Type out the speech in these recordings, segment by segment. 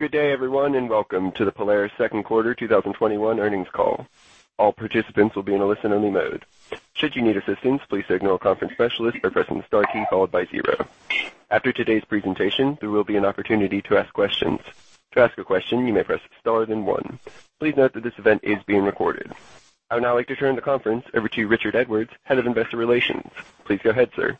Good day, everyone, and welcome to the Polaris second quarter 2021 earnings call. All participants will be in a listen-only mode. Should you need assistance, please signal a conference specialist by pressing the star key followed by zero. After today's presentation, there will be an opportunity to ask questions. To ask a question, you may press star then one. Please note that this event is being recorded. I would now like to turn the conference over to Richard Edwards, Head of Investor Relations. Please go ahead, sir.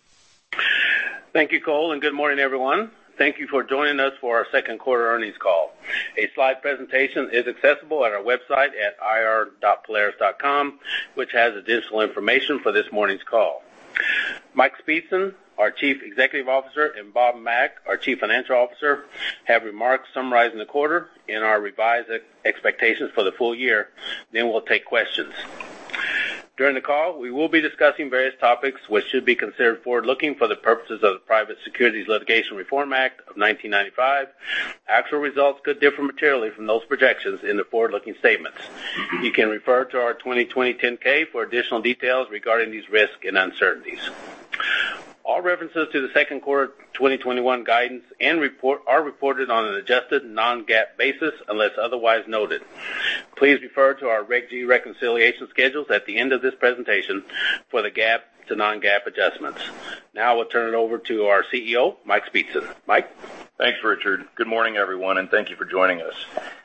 Thank you, Cole, and good morning, everyone. Thank you for joining us for our second quarter earnings call. A slide presentation is accessible at our website at ir.polaris.com, which has additional information for this morning's call. Mike Speetzen, our Chief Executive Officer, and Bob Mack, our Chief Financial Officer, have remarks summarizing the quarter and our revised expectations for the full year. We'll take questions. During the call, we will be discussing various topics which should be considered forward-looking for the purposes of the Private Securities Litigation Reform Act of 1995. Actual results could differ materially from those projections in the forward-looking statements. You can refer to our 2020 10-K for additional details regarding these risks and uncertainties. All references to the second quarter 2021 guidance and report are reported on an adjusted non-GAAP basis unless otherwise noted. Please refer to our Reg G reconciliation schedules at the end of this presentation for the GAAP to non-GAAP adjustments. Now I will turn it over to our CEO, Mike Speetzen. Mike? Thanks, Richard. Good morning, everyone, and thank you for joining us.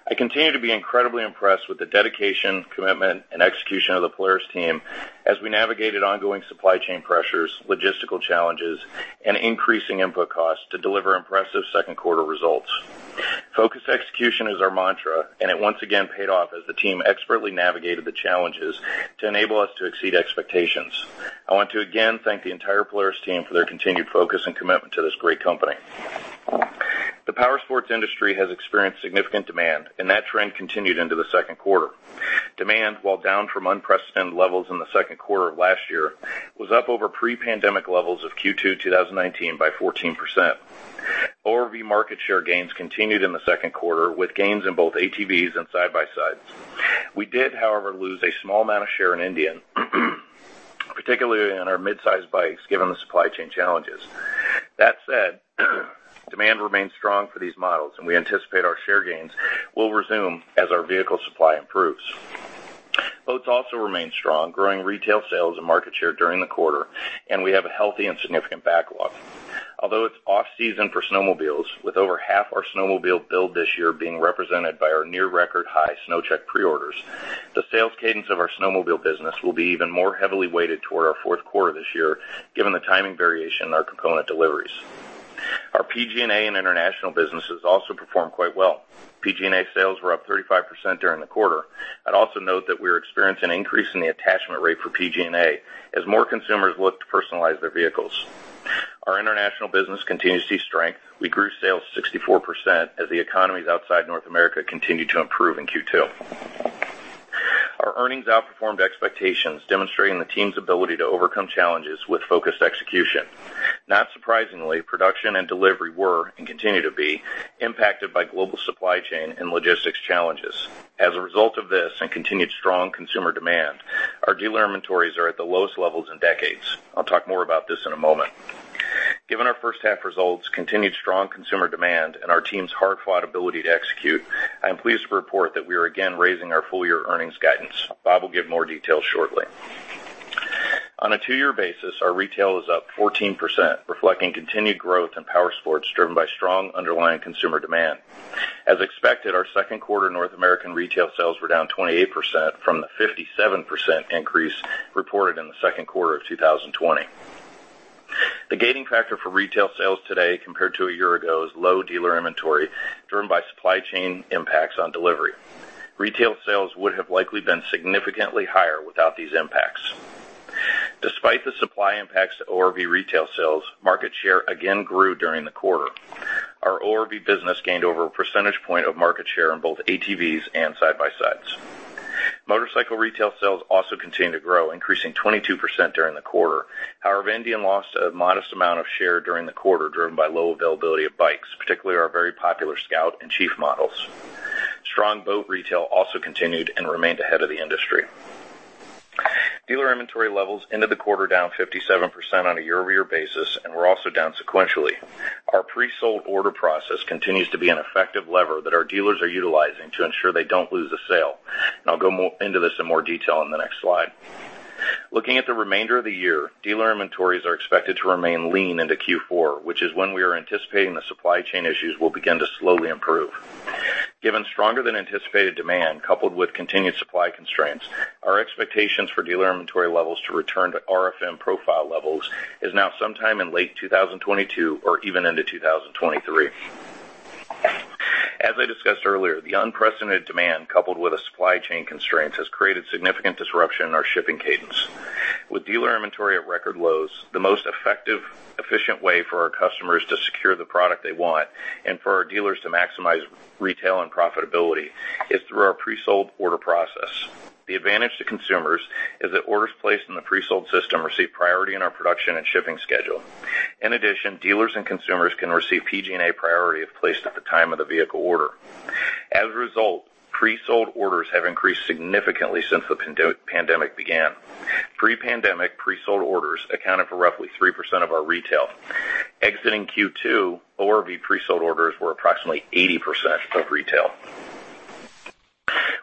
I continue to be incredibly impressed with the dedication, commitment, and execution of the Polaris team as we navigated ongoing supply chain pressures, logistical challenges, and increasing input costs to deliver impressive second quarter results. Focused execution is our mantra, and it once again paid off as the team expertly navigated the challenges to enable us to exceed expectations. I want to again thank the entire Polaris team for their continued focus and commitment to this great company. The powersports industry has experienced significant demand, and that trend continued into the second quarter. Demand, while down from unprecedented levels in the second quarter of last year, was up over pre-pandemic levels of Q2 2019 by 14%. ORV market share gains continued in the second quarter with gains in both ATVs and side-by-sides. We did, however, lose a small amount of share in Indian, particularly in our midsize bikes, given the supply chain challenges. That said, demand remains strong for these models and we anticipate our share gains will resume as our vehicle supply improves. Boats also remain strong, growing retail sales and market share during the quarter, and we have a healthy and significant backlog. Although it's off-season for snowmobiles, with over half our snowmobile build this year being represented by our near record high SnowCheck pre-orders, the sales cadence of our snowmobile business will be even more heavily weighted toward our fourth quarter this year, given the timing variation in our component deliveries. Our PG&A and international businesses also performed quite well. PG&A sales were up 35% during the quarter. I'd also note that we are experiencing an increase in the attachment rate for PG&A as more consumers look to personalize their vehicles. Our international business continues to see strength. We grew sales 64% as the economies outside North America continued to improve in Q2. Our earnings outperformed expectations, demonstrating the team's ability to overcome challenges with focused execution. Not surprisingly, production and delivery were, and continue to be, impacted by global supply chain and logistics challenges. As a result of this and continued strong consumer demand, our dealer inventories are at the lowest levels in decades. I'll talk more about this in a moment. Given our first half results, continued strong consumer demand, and our team's hard-fought ability to execute, I am pleased to report that we are again raising our full-year earnings guidance. Bob will give more details shortly. On a two-year basis, our retail is up 14%, reflecting continued growth in powersports driven by strong underlying consumer demand. As expected, our second quarter North American retail sales were down 28% from the 57% increase reported in the second quarter of 2020. The gating factor for retail sales today compared to a year ago is low dealer inventory driven by supply chain impacts on delivery. Retail sales would have likely been significantly higher without these impacts. Despite the supply impacts to ORV retail sales, market share again grew during the quarter. Our ORV business gained over 1 percentage point of market share on both ATVs and side-by-sides. Motorcycle retail sales also continued to grow, increasing 22% during the quarter. However, Indian lost a modest amount of share during the quarter, driven by low availability of bikes, particularly our very popular Scout and Chief models. Strong boat retail also continued and remained ahead of the industry. Dealer inventory levels ended the quarter down 57% on a year-over-year basis and were also down sequentially. Our pre-sold order process continues to be an effective lever that our dealers are utilizing to ensure they don't lose a sale. I'll go into this in more detail in the next slide. Looking at the remainder of the year, dealer inventories are expected to remain lean into Q4, which is when we are anticipating the supply chain issues will begin to slowly improve. Given stronger than anticipated demand coupled with continued supply constraints, our expectations for dealer inventory levels to return to RFM profile levels is now sometime in late 2022 or even into 2023. As I discussed earlier, the unprecedented demand coupled with a supply chain constraint has created significant disruption in our shipping cadence. With dealer inventory at record lows, the most effective, efficient way for our customers to secure the product they want and for our dealers to maximize retail and profitability is through our pre-sold order process. The advantage to consumers is that orders placed in the pre-sold system receive priority in our production and shipping schedule. In addition, dealers and consumers can receive PG&A priority if placed at the time of the vehicle order. As a result, pre-sold orders have increased significantly since the pandemic began. Pre-pandemic pre-sold orders accounted for roughly 3% of our retail. Exiting Q2, ORV pre-sold orders were approximately 80% of retail.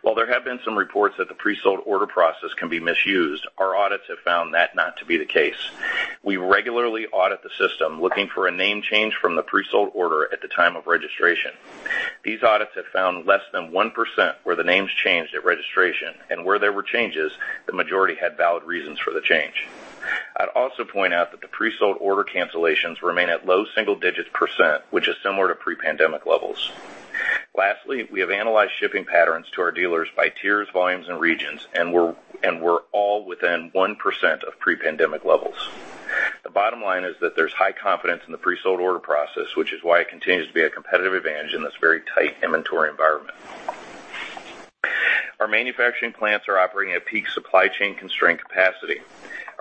While there have been some reports that the pre-sold order process can be misused, our audits have found that not to be the case. We regularly audit the system, looking for a name change from the pre-sold order at the time of registration. These audits have found less than 1% where the names changed at registration, and where there were changes, the majority had valid reasons for the change. I'd also point out that the pre-sold order cancellations remain at low single-digit percent, which is similar to pre-pandemic levels. Lastly, we have analyzed shipping patterns to our dealers by tiers, volumes, and regions, and we're all within 1% of pre-pandemic levels. The bottom line is that there's high confidence in the pre-sold order process, which is why it continues to be a competitive advantage in this very tight inventory environment. Our manufacturing plants are operating at peak supply chain constraint capacity.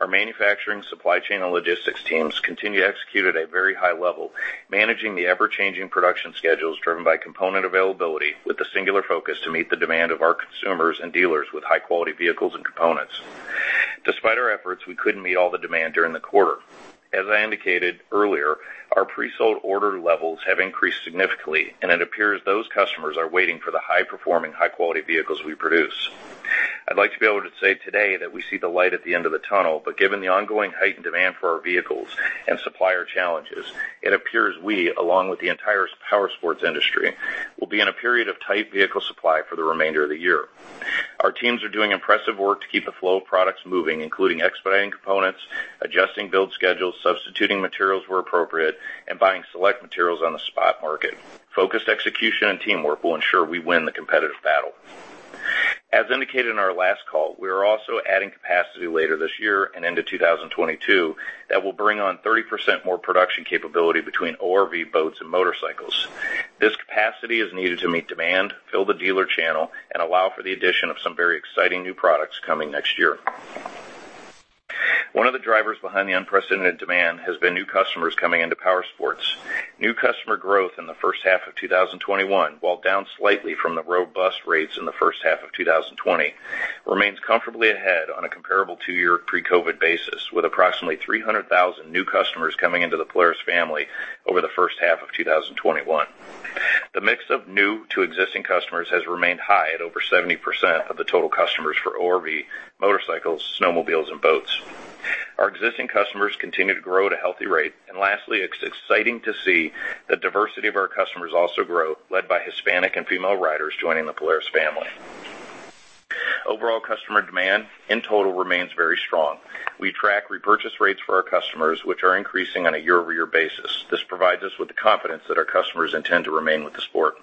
Our manufacturing supply chain and logistics teams continue to execute at a very high level, managing the ever-changing production schedules driven by component availability with a singular focus to meet the demand of our consumers and dealers with high-quality vehicles and components. Despite our efforts, we couldn't meet all the demand during the quarter. As I indicated earlier, our pre-sold order levels have increased significantly, and it appears those customers are waiting for the high-performing, high-quality vehicles we produce. I'd like to be able to say today that we see the light at the end of the tunnel, but given the ongoing heightened demand for our vehicles and supplier challenges, it appears we, along with the entire powersports industry, will be in a period of tight vehicle supply for the remainder of the year. Our teams are doing impressive work to keep the flow of products moving, including expediting components, adjusting build schedules, substituting materials where appropriate, and buying select materials on the spot market. Focused execution and teamwork will ensure we win the competitive battle. As indicated in our last call, we are also adding capacity later this year and into 2022 that will bring on 30% more production capability between ORV, boats, and motorcycles. This capacity is needed to meet demand, fill the dealer channel, and allow for the addition of some very exciting new products coming next year. One of the drivers behind the unprecedented demand has been new customers coming into powersports. New customer growth in the first half of 2021, while down slightly from the robust rates in the first half of 2020, remains comfortably ahead on a comparable two-year pre-COVID basis, with approximately 300,000 new customers coming into the Polaris family over the first half of 2021. The mix of new to existing customers has remained high at over 70% of the total customers for ORV, motorcycles, snowmobiles, and boats. Our existing customers continue to grow at a healthy rate. Lastly, it's exciting to see the diversity of our customers also grow, led by Hispanic and female riders joining the Polaris family. Overall customer demand in total remains very strong. We track repurchase rates for our customers, which are increasing on a year-over-year basis. This provides us with the confidence that our customers intend to remain with the sport.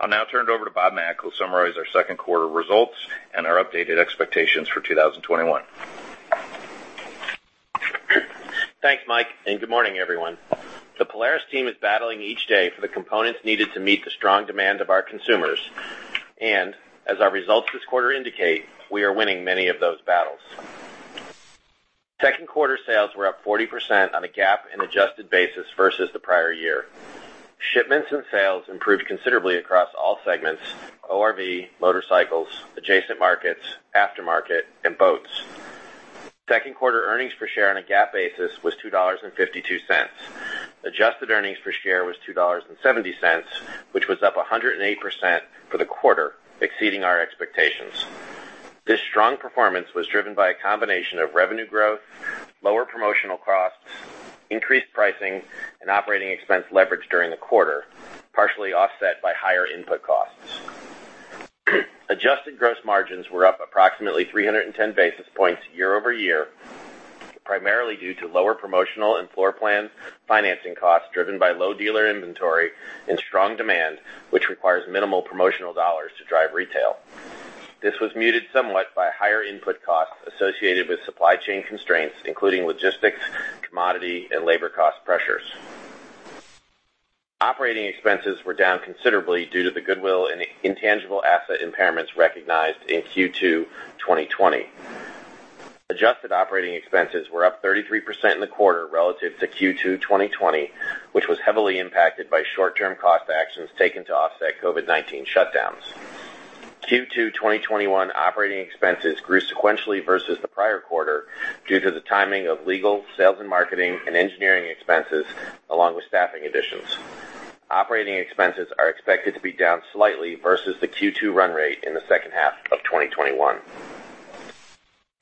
I'll now turn it over to Bob Mack, who'll summarize our second quarter results and our updated expectations for 2021. Thanks, Mike. Good morning, everyone. The Polaris team is battling each day for the components needed to meet the strong demand of our consumers. As our results this quarter indicate, we are winning many of those battles. Second quarter sales were up 40% on a GAAP and adjusted basis versus the prior year. Shipments and sales improved considerably across all segments, ORV, motorcycles, adjacent markets, aftermarket, and boats. Second quarter earnings per share on a GAAP basis was $2.52. Adjusted earnings per share was $2.70, which was up 108% for the quarter, exceeding our expectations. This strong performance was driven by a combination of revenue growth, lower promotional costs, increased pricing, and operating expense leverage during the quarter, partially offset by higher input costs. Adjusted gross margins were up approximately 310 basis points year-over-year, primarily due to lower promotional and floor plan financing costs driven by low dealer inventory and strong demand, which requires minimal promotional dollars to drive retail. This was muted somewhat by higher input costs associated with supply chain constraints, including logistics, commodity, and labor cost pressures. Operating expenses were down considerably due to the goodwill and intangible asset impairments recognized in Q2 2020. Adjusted operating expenses were up 33% in the quarter relative to Q2 2020, which was heavily impacted by short-term cost actions taken to offset COVID-19 shutdowns. Q2 2021 operating expenses grew sequentially versus the prior quarter due to the timing of legal, sales and marketing, and engineering expenses, along with staffing additions. Operating expenses are expected to be down slightly versus the Q2 run rate in the second half of 2021.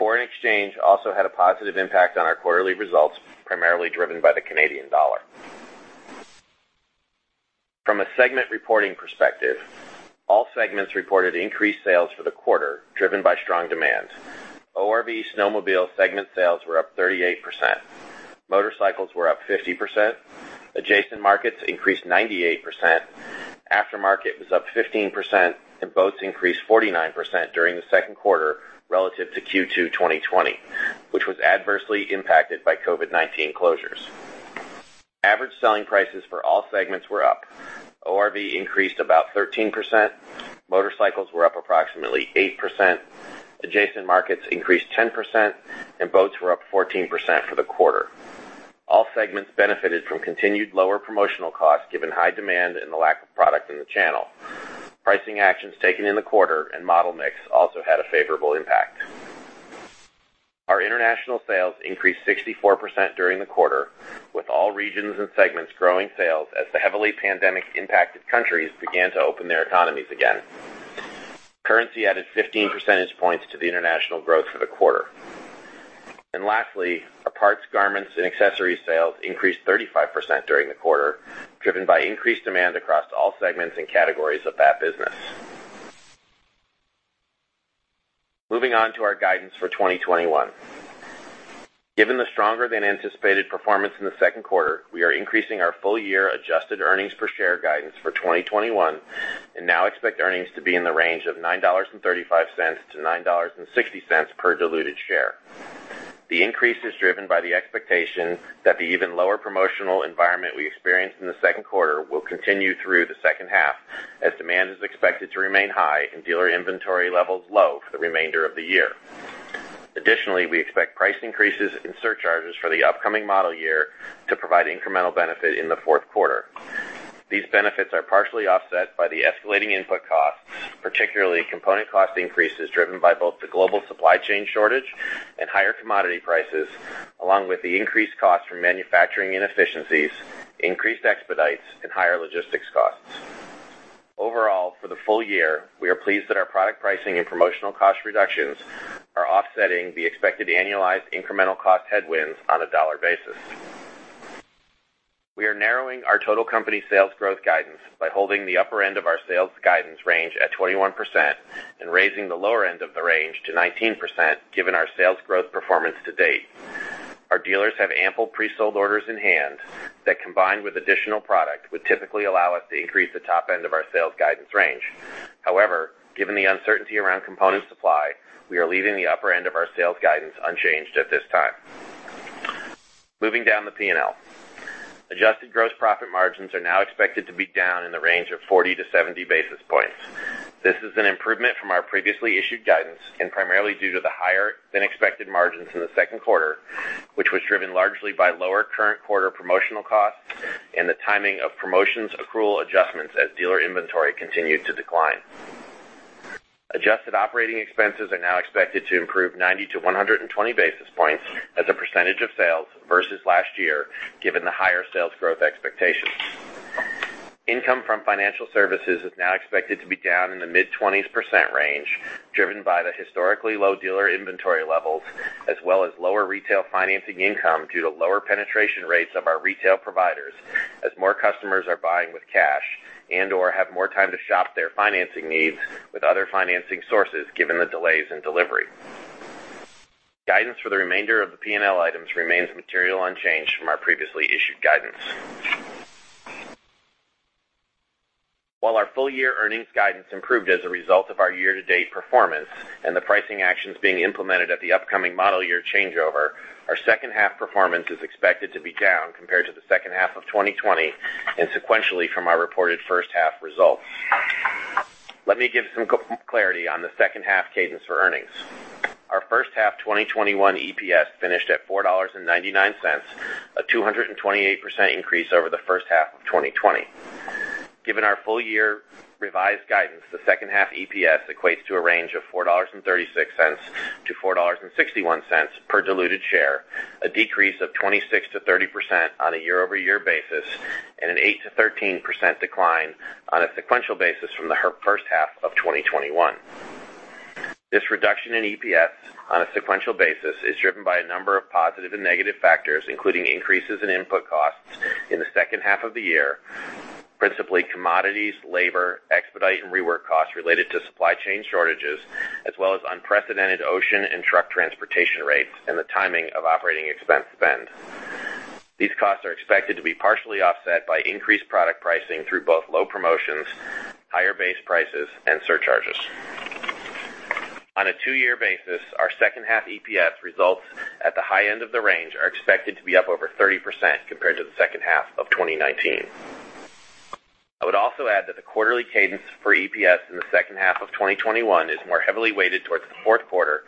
Foreign exchange also had a positive impact on our quarterly results, primarily driven by the Canadian dollar. From a segment reporting perspective, all segments reported increased sales for the quarter, driven by strong demand. ORV snowmobile segment sales were up 38%. Motorcycles were up 50%. Adjacent markets increased 98%. Aftermarket was up 15% and boats increased 49% during the second quarter relative to Q2 2020, which was adversely impacted by COVID-19 closures. Average selling prices for all segments were up. ORV increased about 13%. Motorcycles were up approximately 8%. Adjacent markets increased 10% and boats were up 14% for the quarter. All segments benefited from continued lower promotional costs given high demand and the lack of product in the channel. Pricing actions taken in the quarter and model mix also had a favorable impact. Our international sales increased 64% during the quarter, with all regions and segments growing sales as the heavily pandemic-impacted countries began to open their economies again. Currency added 15 percentage points to the international growth for the quarter. Lastly, our parts, garments, and accessories sales increased 35% during the quarter, driven by increased demand across all segments and categories of that business. Moving on to our guidance for 2021. Given the stronger than anticipated performance in the second quarter, we are increasing our full year adjusted earnings per share guidance for 2021, and now expect earnings to be in the range of $9.35-$9.60 per diluted share. The increase is driven by the expectation that the even lower promotional environment we experienced in the second quarter will continue through the second half, as demand is expected to remain high and dealer inventory levels low for the remainder of the year. Additionally, we expect price increases and surcharges for the upcoming model year to provide incremental benefit in the fourth quarter. These benefits are partially offset by the escalating input costs, particularly component cost increases driven by both the global supply chain shortage and higher commodity prices, along with the increased cost from manufacturing inefficiencies, increased expedites, and higher logistics costs. Overall, for the full year, we are pleased that our product pricing and promotional cost reductions are offsetting the expected annualized incremental cost headwinds on a dollar basis. We are narrowing our total company sales growth guidance by holding the upper end of our sales guidance range at 21% and raising the lower end of the range to 19%, given our sales growth performance to date. Our dealers have ample pre-sold orders in hand that, combined with additional product, would typically allow us to increase the top end of our sales guidance range. However, given the uncertainty around component supply, we are leaving the upper end of our sales guidance unchanged at this time. Moving down the P&L. Adjusted gross profit margins are now expected to be down in the range of 40-70 basis points. This is an improvement from our previously issued guidance, and primarily due to the higher than expected margins in the second quarter, which was driven largely by lower current quarter promotional costs and the timing of promotions accrual adjustments as dealer inventory continued to decline. Adjusted operating expenses are now expected to improve 90-120 basis points as a percentage of sales versus last year, given the higher sales growth expectations. Income from financial services is now expected to be down in the mid-20s percent range, driven by the historically low dealer inventory levels as well as lower retail financing income due to lower penetration rates of our retail providers, as more customers are buying with cash and/or have more time to shop their financing needs with other financing sources, given the delays in delivery. Guidance for the remainder of the P&L items remains materially unchanged from our previously issued guidance. While our full-year earnings guidance improved as a result of our year-to-date performance and the pricing actions being implemented at the upcoming model year changeover, our second half performance is expected to be down compared to the second half of 2020 and sequentially from our reported first half results. Let me give some clarity on the second half cadence for earnings. Our first half 2021 EPS finished at $4.99, a 228% increase over the first half of 2020. Given our full-year revised guidance, the second half EPS equates to a range of $4.36-$4.61 per diluted share, a decrease of 26%-30% on a year-over-year basis and an 8%-13% decline on a sequential basis from the first half of 2021. This reduction in EPS on a sequential basis is driven by a number of positive and negative factors, including increases in input costs in the second half of the year, principally commodities, labor, expedite, and rework costs related to supply chain shortages, as well as unprecedented ocean and truck transportation rates, and the timing of operating expense spend. These costs are expected to be partially offset by increased product pricing through both low promotions, higher base prices, and surcharges. On a two-year basis, our second half EPS results at the high end of the range are expected to be up over 30% compared to the second half of 2019. I would also add that the quarterly cadence for EPS in the second half of 2021 is more heavily weighted towards the fourth quarter,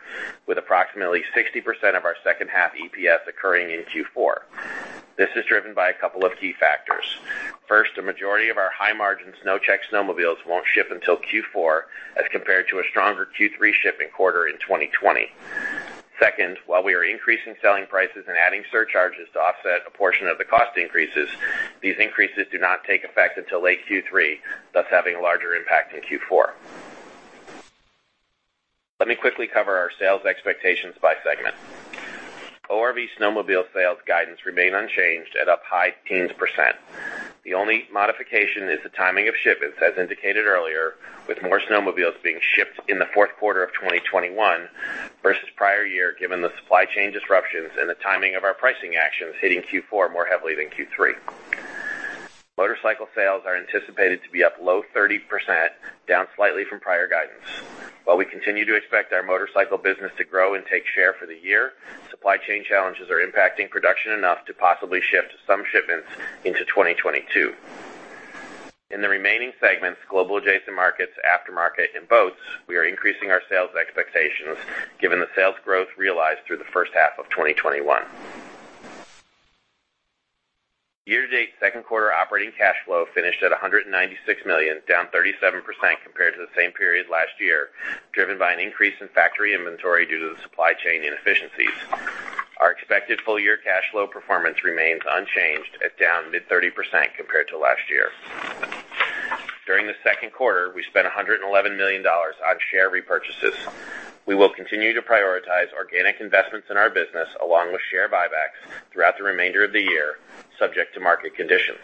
with approximately 60% of our second half EPS occurring in Q4. This is driven by a couple of key factors. First, a majority of our high-margin SnowCheck snowmobiles won't ship until Q4 as compared to a stronger Q3 shipping quarter in 2020. Second, while we are increasing selling prices and adding surcharges to offset a portion of the cost increases, these increases do not take effect until late Q3, thus having a larger impact in Q4. Let me quickly cover our sales expectations by segment. ORV snowmobile sales guidance remain unchanged at up high teens percent. The only modification is the timing of shipments, as indicated earlier, with more snowmobiles being shipped in the fourth quarter of 2021 versus prior year, given the supply chain disruptions and the timing of our pricing actions hitting Q4 more heavily than Q3. Motorcycle sales are anticipated to be up low 30%, down slightly from prior guidance. While we continue to expect our motorcycle business to grow and take share for the year, supply chain challenges are impacting production enough to possibly shift some shipments into 2022. In the remaining segments, Global Adjacent Markets, Aftermarket, and Boats, we are increasing our sales expectations given the sales growth realized through the first half of 2021. Year-to-date second quarter operating cash flow finished at $196 million, down 37% compared to the same period last year, driven by an increase in factory inventory due to the supply chain inefficiencies. Our expected full-year cash flow performance remains unchanged at down mid-30% compared to last year. During the second quarter, we spent $111 million on share repurchases. We will continue to prioritize organic investments in our business along with share buybacks throughout the remainder of the year, subject to market conditions.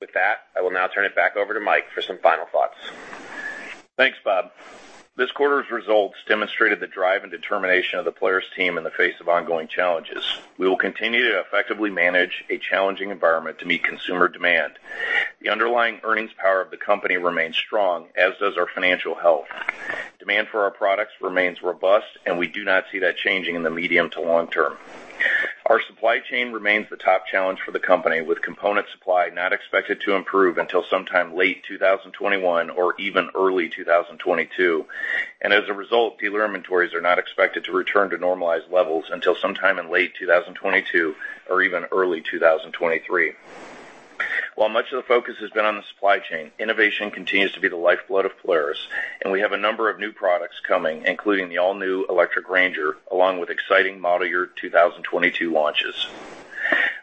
With that, I will now turn it back over to Mike for some final thoughts. Thanks, Bob. This quarter's results demonstrated the drive and determination of the Polaris team in the face of ongoing challenges. We will continue to effectively manage a challenging environment to meet consumer demand. The underlying earnings power of the company remains strong, as does our financial health. Demand for our products remains robust, and we do not see that changing in the medium to long-term. Our supply chain remains the top challenge for the company, with component supply not expected to improve until sometime late 2021 or even early 2022. As a result, dealer inventories are not expected to return to normalized levels until sometime in late 2022 or even early 2023. While much of the focus has been on the supply chain, innovation continues to be the lifeblood of Polaris, and we have a number of new products coming, including the all-new electric RANGER, along with exciting model year 2022 launches.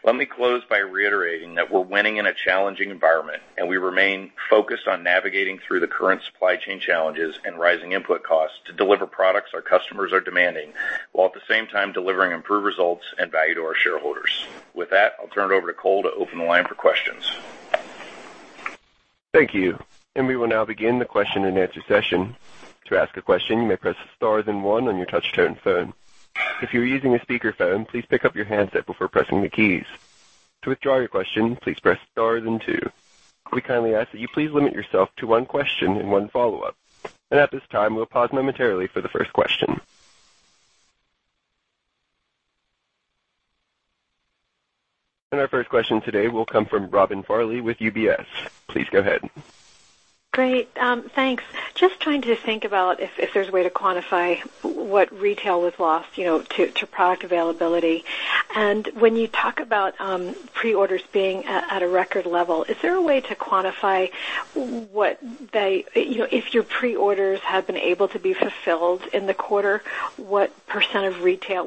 Let me close by reiterating that we're winning in a challenging environment, and we remain focused on navigating through the current supply chain challenges and rising input costs to deliver products our customers are demanding, while at the same time delivering improved results and value to our shareholders. With that, I'll turn it over to Cole to open the line for questions. Thank you. We will now begin the question-and-answer session. To ask a question, you may press star then one on your touch-tone phone. If you are using a speaker phone, please pick up your handset before pressing the star keys. To withdraw your question, please press star then two. We kindly ask that you please limit yourself to one question and one follow-up. At this time, we'll pause momentarily for the first question. Our first question today will come from Robin Farley with UBS. Please go ahead. Great. Thanks. Just trying to think about if there's a way to quantify what retail was lost to product availability. When you talk about pre-orders being at a record level, is there a way to quantify if your pre-orders have been able to be fulfilled in the quarter, retail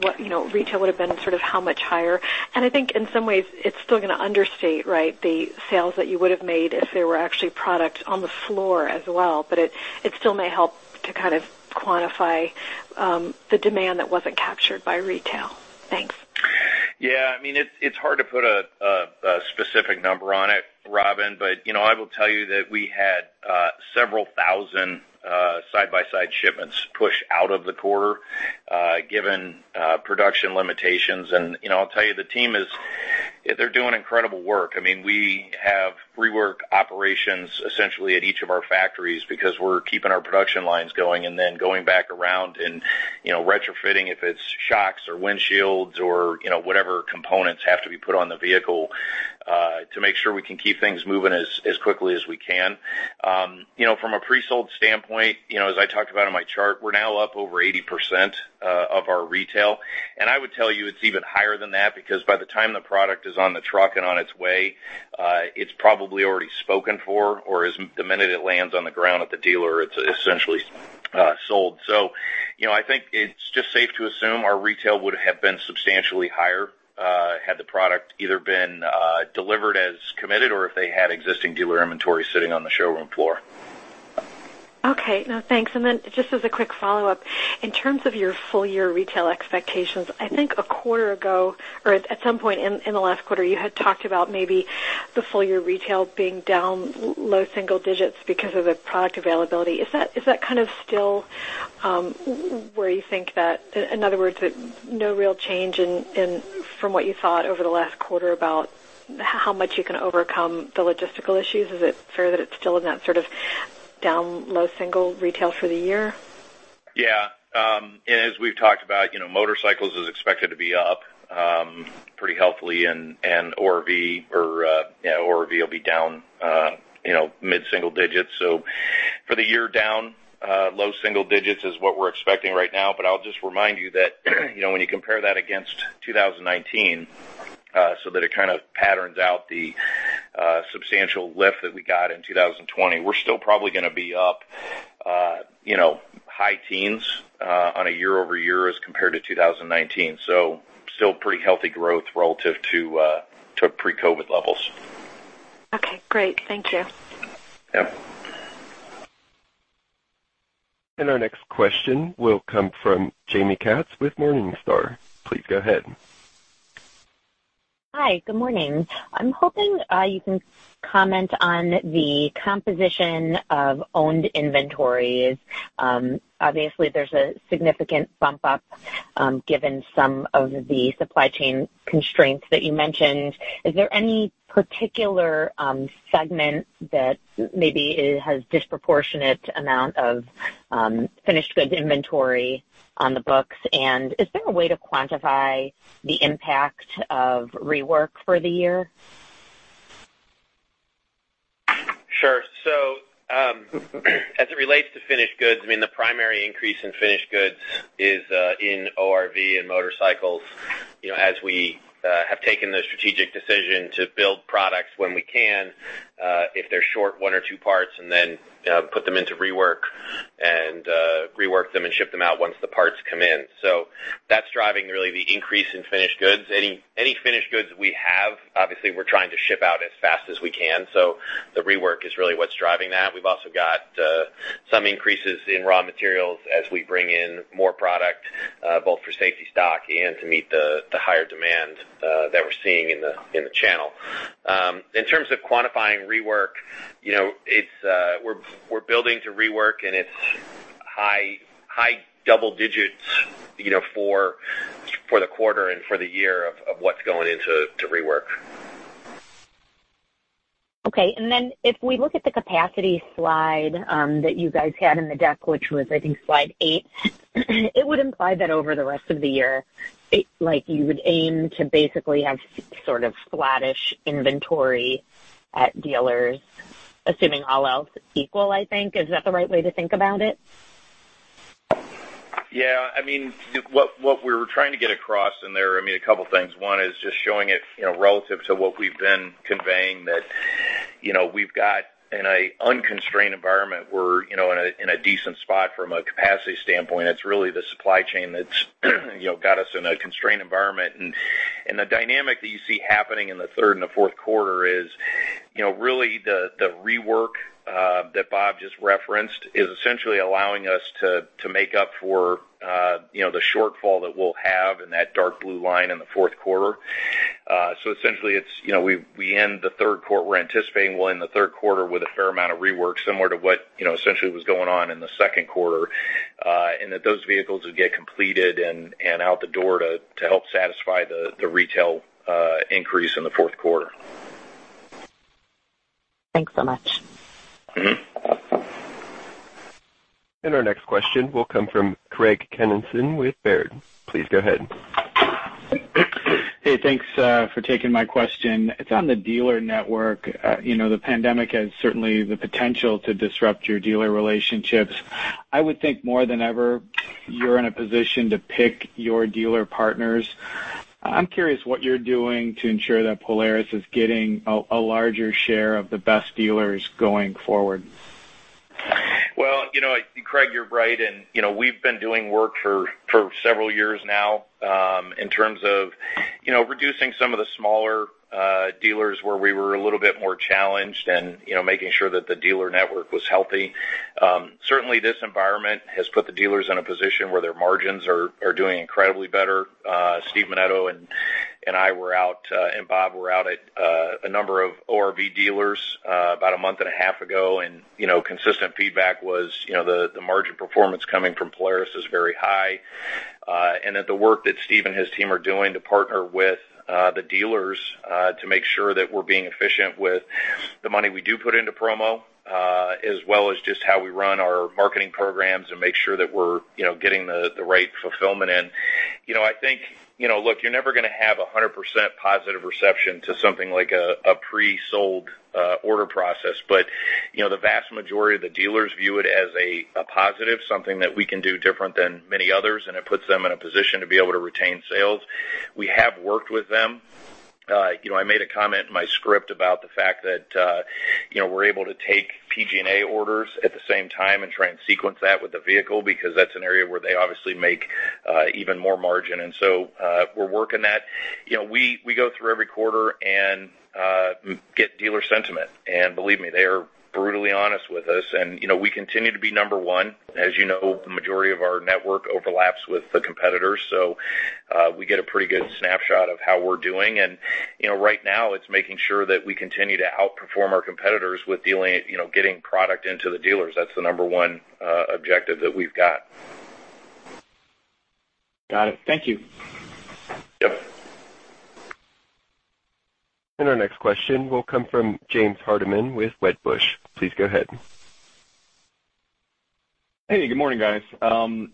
would have been, sort of how much higher? I think in some ways it's still going to understate, right, the sales that you would have made if there were actually product on the floor as well. It still may help to kind of quantify the demand that wasn't captured by retail. Thanks. Yeah. It's hard to put a specific number on it, Robin, but I will tell you that we had several thousand side-by-side shipments pushed out of the quarter given production limitations. I'll tell you, the team is doing incredible work. We have rework operations essentially at each of our factories because we're keeping our production lines going and then going back around and retrofitting if it's shocks or windshields or whatever components have to be put on the vehicle to make sure we can keep things moving as quickly as we can. From a pre-sold standpoint, as I talked about on my chart, we're now up over 80% of our retail. I would tell you it's even higher than that because by the time the product is on the truck and on its way, it's probably already spoken for, or the minute it lands on the ground at the dealer, it's essentially sold. I think it's just safe to assume our retail would have been substantially higher had the product either been delivered as committed or if they had existing dealer inventory sitting on the showroom floor. Okay. Thanks. Just as a quick follow-up, in terms of your full-year retail expectations, I think a quarter ago or at some point in the last quarter, you had talked about maybe the full-year retail being down low single digits because of the product availability. Is that kind of still where you think that, in other words, no real change from what you thought over the last quarter about how much you can overcome the logistical issues? Is it fair that it is still in that sort of down low single retail for the year? Yeah. As we've talked about, motorcycles is expected to be up pretty healthily and ORV will be down mid-single digits. For the year down low single digits is what we're expecting right now. I'll just remind you that when you compare that against 2019 so that it kind of patterns out the substantial lift that we got in 2020, we're still probably going to be up high teens on a year-over-year as compared to 2019. Still pretty healthy growth relative to pre-COVID levels. Okay, great. Thank you. Yeah. Our next question will come from Jaime Katz with Morningstar. Please go ahead. Hi. Good morning. I'm hoping you can comment on the composition of owned inventories. Obviously, there's a significant bump up given some of the supply chain constraints that you mentioned. Is there any particular segment that maybe has disproportionate amount of finished goods inventory on the books? Is there a way to quantify the impact of rework for the year? Sure. As it relates to finished goods, the primary increase in finished goods is in ORV and motorcycles. We have taken the strategic decision to build products when we can, if they're short one or two parts and then put them into rework and rework them and ship them out once the parts come in. That's driving really the increase in finished goods. Any finished goods we have, obviously, we're trying to ship out as fast as we can. The rework is really what's driving that. We've also got some increases in raw materials as we bring in more product, both for safety stock and to meet the higher demand that we're seeing in the channel. In terms of quantifying rework, we're building to rework, and it's high double digits for the quarter and for the year of what's going into rework. Okay. If we look at the capacity slide that you guys had in the deck, which was, I think, slide eight, it would imply that over the rest of the year, you would aim to basically have sort of flattish inventory at dealers, assuming all else equal, I think. Is that the right way to think about it? What we were trying to get across in there, a couple of things. One is just showing it relative to what we've been conveying that we've got in an unconstrained environment, we're in a decent spot from a capacity standpoint. It's really the supply chain that's got us in a constrained environment. The dynamic that you see happening in the third and the fourth quarter is really the rework that Bob just referenced is essentially allowing us to make up for the shortfall that we'll have in that dark blue line in the fourth quarter. Essentially, we're anticipating we'll end the third quarter with a fair amount of rework, similar to what essentially was going on in the second quarter, and that those vehicles would get completed and out the door to help satisfy the retail increase in the fourth quarter. Thanks so much. Our next question will come from Craig Kennison with Baird. Please go ahead. Hey, thanks for taking my question. It's on the dealer network. The pandemic has certainly the potential to disrupt your dealer relationships. I would think more than ever, you're in a position to pick your dealer partners. I'm curious what you're doing to ensure that Polaris is getting a larger share of the best dealers going forward. Well, Craig, you're right. We've been doing work for several years now in terms of reducing some of the smaller dealers where we were a little bit more challenged and making sure that the dealer network was healthy. Certainly, this environment has put the dealers in a position where their margins are doing incredibly better. Steve Menneto and I and Bob were out at a number of ORV dealers about a month and a half ago. Consistent feedback was the margin performance coming from Polaris is very high. That the work that Steve and his team are doing to partner with the dealers to make sure that we're being efficient with the money we do put into promo, as well as just how we run our marketing programs and make sure that we're getting the right fulfillment in. I think, look, you're never going to have 100% positive reception to something like a pre-sold order process. The vast majority of the dealers view it as a positive, something that we can do different than many others, and it puts them in a position to be able to retain sales. We have worked with them. I made a comment in my script about the fact that we're able to take PG&A orders at the same time and try and sequence that with the vehicle because that's an area where they obviously make even more margin. We're working that. We go through every quarter and get dealer sentiment. Believe me, they are brutally honest with us. We continue to be number one. As you know, the majority of our network overlaps with the competitors. We get a pretty good snapshot of how we're doing. Right now, it's making sure that we continue to outperform our competitors with getting product into the dealers. That's the number one objective that we've got. Got it. Thank you. Yep. Our next question will come from James Hardiman with Wedbush. Please go ahead. Hey, good morning, guys. Morning.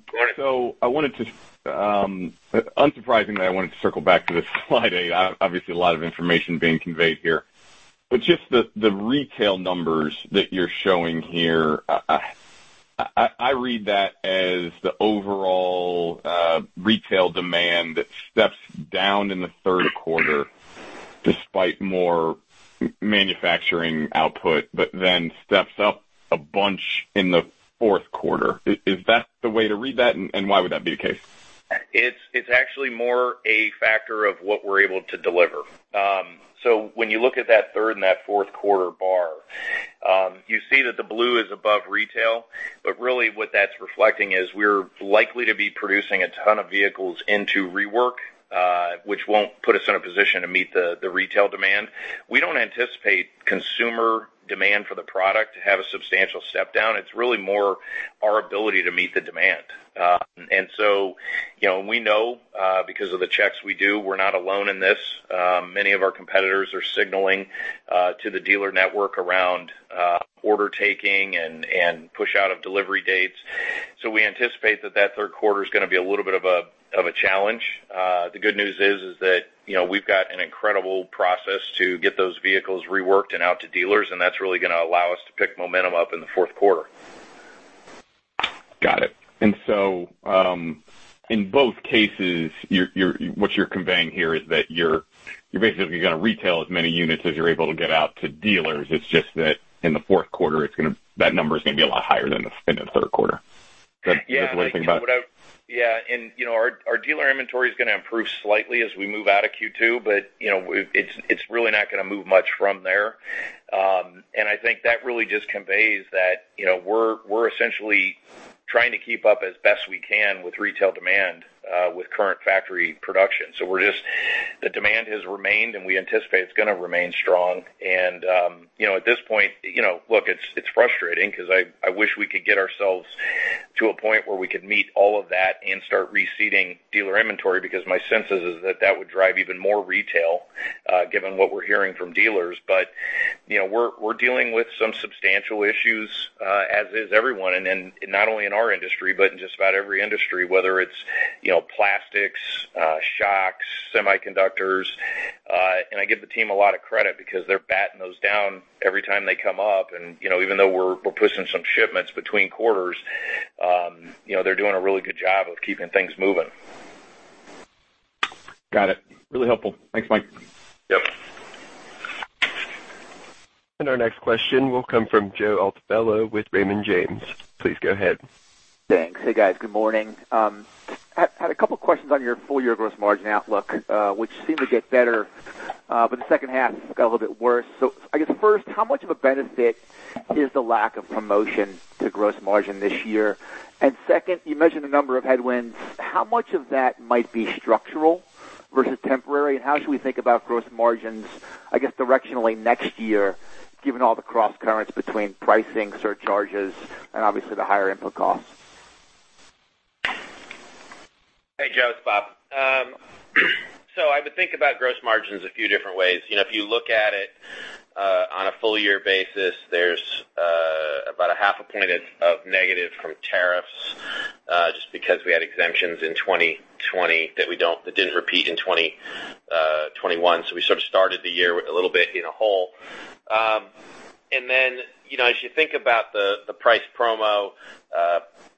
Unsurprisingly, I wanted to circle back to this slide eight. Obviously, a lot of information being conveyed here. Just the retail numbers that you're showing here, I read that as the overall retail demand that steps down in the third quarter despite more manufacturing output, but then steps up a bunch in the fourth quarter. Is that the way to read that, and why would that be the case? It's actually more a factor of what we're able to deliver. When you look at that third and that fourth quarter bar you see that the blue is above retail. Really what that's reflecting is we're likely to be producing a ton of vehicles into rework which won't put us in a position to meet the retail demand. We don't anticipate consumer demand for the product to have a substantial step down. It's really more our ability to meet the demand. We know because of the checks we do, we're not alone in this. Many of our competitors are signaling to the dealer network around order taking and push out of delivery dates. We anticipate that third quarter is going to be a little bit of a challenge. The good news is that we've got an incredible process to get those vehicles reworked and out to dealers, and that's really going to allow us to pick momentum up in the fourth quarter. Got it. In both cases, what you're conveying here is that you're basically going to retail as many units as you're able to get out to dealers. It's just that in the fourth quarter, that number is going to be a lot higher than in the third quarter. Is that what you're thinking about? Yeah. Our dealer inventory is going to improve slightly as we move out of Q2, but it's really not going to move much from there. I think that really just conveys that we're essentially trying to keep up as best we can with retail demand, with current factory production. The demand has remained, and we anticipate it's going to remain strong. At this point, look, it's frustrating because I wish we could get ourselves to a point where we could meet all of that and start reseeding dealer inventory because my sense is that that would drive even more retail, given what we're hearing from dealers. We're dealing with some substantial issues, as is everyone. Not only in our industry but in just about every industry, whether it's plastics, shocks, semiconductors. I give the team a lot of credit because they're batting those down every time they come up, and even though we're pushing some shipments between quarters, they're doing a really good job of keeping things moving. Got it. Really helpful. Thanks, Mike. Yep. Our next question will come from Joe Altobello with Raymond James. Please go ahead. Thanks. Hey, guys. Good morning. Had a couple questions on your full year gross margin outlook, which seemed to get better, but the second half got a little bit worse. I guess first, how much of a benefit is the lack of promotion to gross margin this year? Second, you mentioned a number of headwinds. How much of that might be structural versus temporary, and how should we think about gross margins, I guess, directionally next year, given all the cross currents between pricing, surcharges, and obviously the higher input costs? Hey, Joe, it's Bob. I would think about gross margins a few different ways. If you look at it on a full year basis, there's about 0.5 point of negative from tariffs, just because we had exemptions in 2020 that didn't repeat in 2021. We sort of started the year with a little bit in a hole. As you think about the price promo,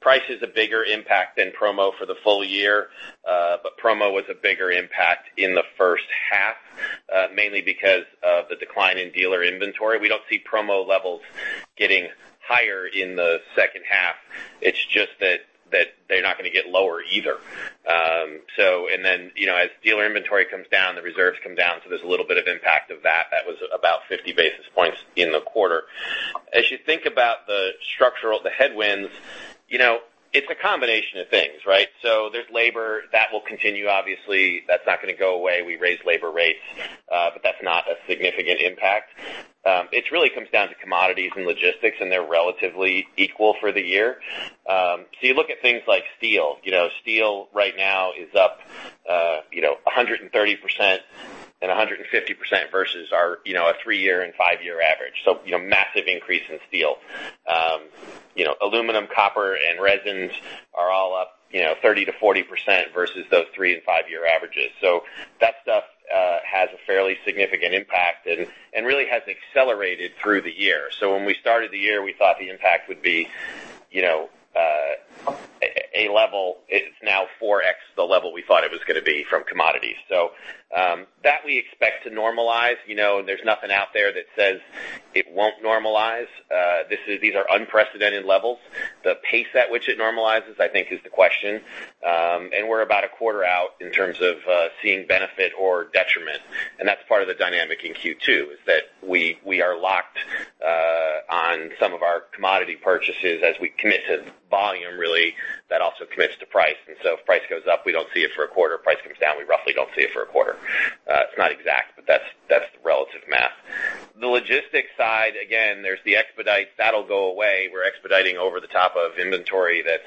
price is a bigger impact than promo for the full year. Promo was a bigger impact in the first half, mainly because of the decline in dealer inventory. We don't see promo levels getting higher in the second half. It's just that they're not going to get lower either. As dealer inventory comes down, the reserves come down, so there's a little bit of impact of that. That was about 50 basis points in the quarter. As you think about the structural, the headwinds, it's a combination of things, right? There's labor that will continue, obviously. That's not going to go away. We raised labor rates, but that's not a significant impact. It really comes down to commodities and logistics, and they're relatively equal for the year. You look at things like steel. Steel right now is up 130% and 150% versus our three-year and five-year average. Massive increase in steel. Aluminum, copper, and resins are all up 30%-40% versus those three and five-year averages. That stuff has a fairly significant impact and really has accelerated through the year. When we started the year, we thought the impact would be a level. It's now 4x the level we thought it was going to be from commodities. That we expect to normalize. There's nothing out there that says it won't normalize. These are unprecedented levels. The pace at which it normalizes, I think, is the question. We're about a quarter out in terms of seeing benefit or detriment. That's part of the dynamic in Q2, is that we are locked on some of our commodity purchases as we commit to volume, really, that also commits to price. If price goes up, we don't see it for a quarter. If price comes down, we roughly don't see it for a quarter. It's not exact, but that's the relative math. The logistics side, again, there's the expedite. That'll go away. We're expediting over the top of inventory that's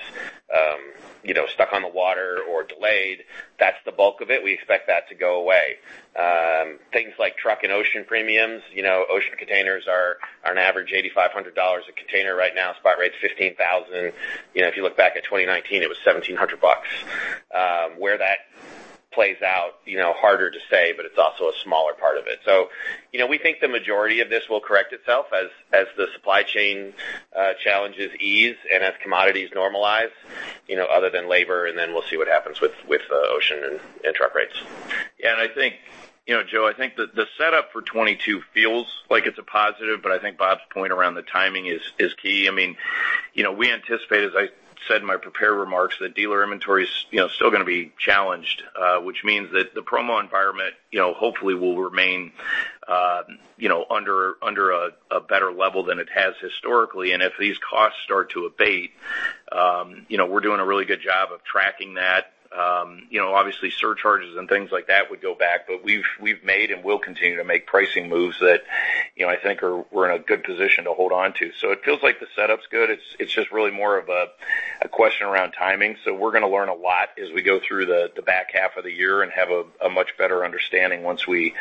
stuck on the water or delayed. That's the bulk of it. We expect that to go away. Things like truck and ocean premiums. Ocean containers are on average $8,500 a container right now. Spot rate's $15,000. If you look back at 2019, it was $1,700. Where that plays out, harder to say, but it's also a smaller part of it. We think the majority of this will correct itself as the supply chain challenges ease and as commodities normalize, other than labor, and then we'll see what happens with ocean and truck rates. Yeah. Joe, I think the setup for 2022 feels like it's a positive, but I think Bob's point around the timing is key. We anticipate, as I said in my prepared remarks, that dealer inventory is still going to be challenged. Which means that the promo environment hopefully will remain under a better level than it has historically. If these costs start to abate, we're doing a really good job of tracking that. Obviously surcharges and things like that would go back. We've made and will continue to make pricing moves that I think we're in a good position to hold onto. It feels like the setup's good. It's just really more of a question around timing. We're going to learn a lot as we go through the back half of the year and have a much better understanding once we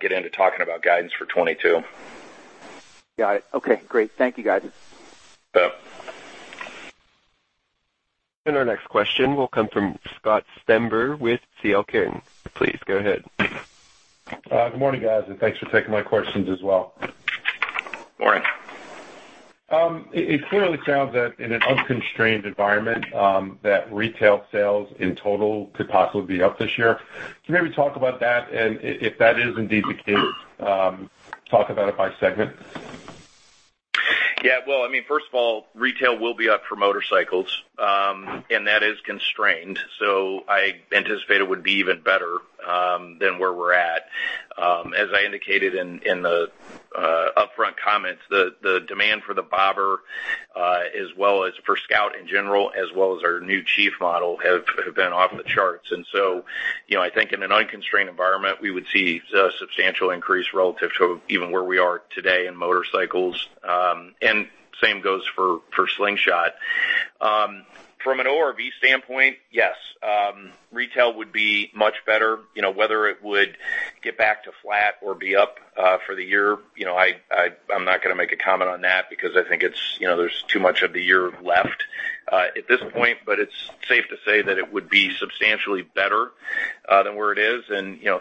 get into talking about guidance for 2022. Got it. Okay, great. Thank you, guys. Yep. Our next question will come from Scott Stember with CL King. Please go ahead. Good morning, guys, and thanks for taking my questions as well. Good morning. It clearly sounds that in an unconstrained environment, that retail sales in total could possibly be up this year. Can you maybe talk about that and if that is indeed the case, talk about it by segment? Yeah. Well, first of all, retail will be up for motorcycles, and that is constrained. I anticipate it would be even better than where we're at. As I indicated in the upfront comments, the demand for the Bobber, as well as for Scout in general, as well as our new Chief model have been off the charts. I think in an unconstrained environment, we would see a substantial increase relative to even where we are today in motorcycles. Same goes for Slingshot. From an ORV standpoint, yes, retail would be much better. Whether it would get back to flat or be up for the year, I'm not going to make a comment on that because I think there's too much of the year left at this point. It's safe to say that it would be substantially better than where it is.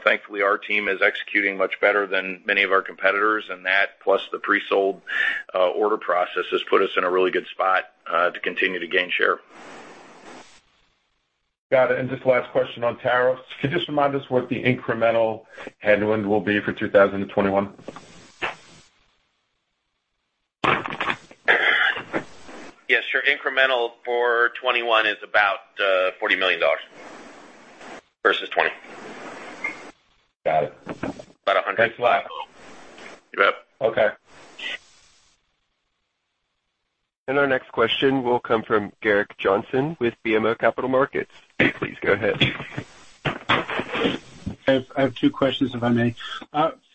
Thankfully, our team is executing much better than many of our competitors, and that, plus the pre-sold order process, has put us in a really good spot to continue to gain share. Got it. Just last question on tariffs. Can you just remind us what the incremental headwind will be for 2021? Yes, sure. Incremental for 2021 is about $40 million versus 2020. Got it. About 100 motorcycle. Thanks a lot. You bet. Okay. Our next question will come from Gerrick Johnson with BMO Capital Markets. Please go ahead. I have two questions, if I may.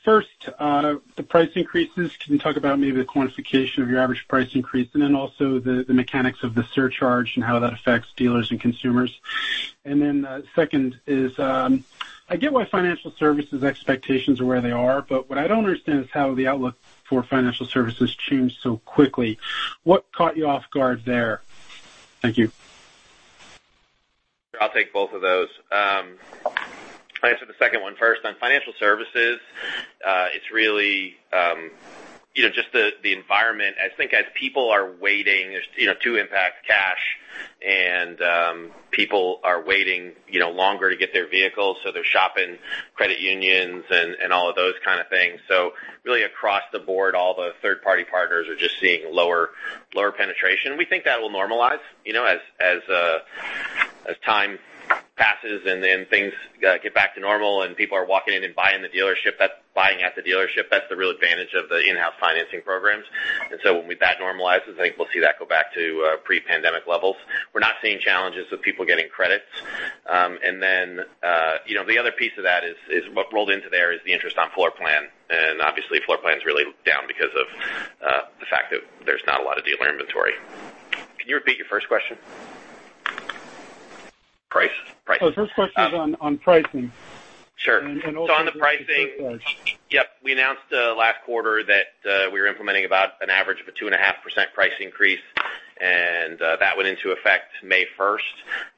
First, the price increases. Can you talk about maybe the quantification of your average price increase and then also the mechanics of the surcharge and how that affects dealers and consumers? Second is, I get why financial services expectations are where they are, but what I don't understand is how the outlook for financial services changed so quickly. What caught you off guard there? Thank you. I'll take both of those. I'll answer the second one first. On financial services, it's really just the environment. I think as people are waiting to impact cash and people are waiting longer to get their vehicles, so they're shopping credit unions and all of those kind of things. Really across the board, all the third-party partners are just seeing lower penetration. We think that will normalize as time passes and then things get back to normal and people are walking in and buying at the dealership. That's the real advantage of the in-house financing programs. When that normalizes, I think we'll see that go back to pre-pandemic levels. We're not seeing challenges with people getting credits. The other piece of that is what rolled into there is the interest on floor plan. Obviously, floor plan's really down because of the fact that there's not a lot of dealer inventory. Can you repeat your first question? Price. The first question is on pricing. Sure. And also the surcharge. On the pricing, yep, we announced last quarter that we were implementing about an average of a 2.5% price increase, and that went into effect May 1st.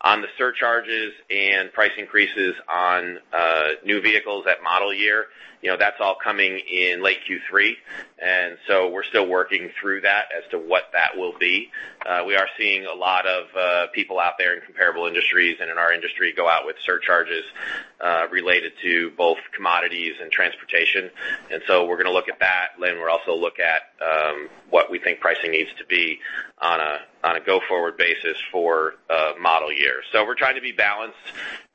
On the surcharges and price increases on new vehicles at model year, that's all coming in late Q3, and so we're still working through that as to what that will be. We are seeing a lot of people out there in comparable industries and in our industry go out with surcharges related to both commodities and transportation. We're going to look at that. We'll also look at what we think pricing needs to be on a go-forward basis for model year. We're trying to be balanced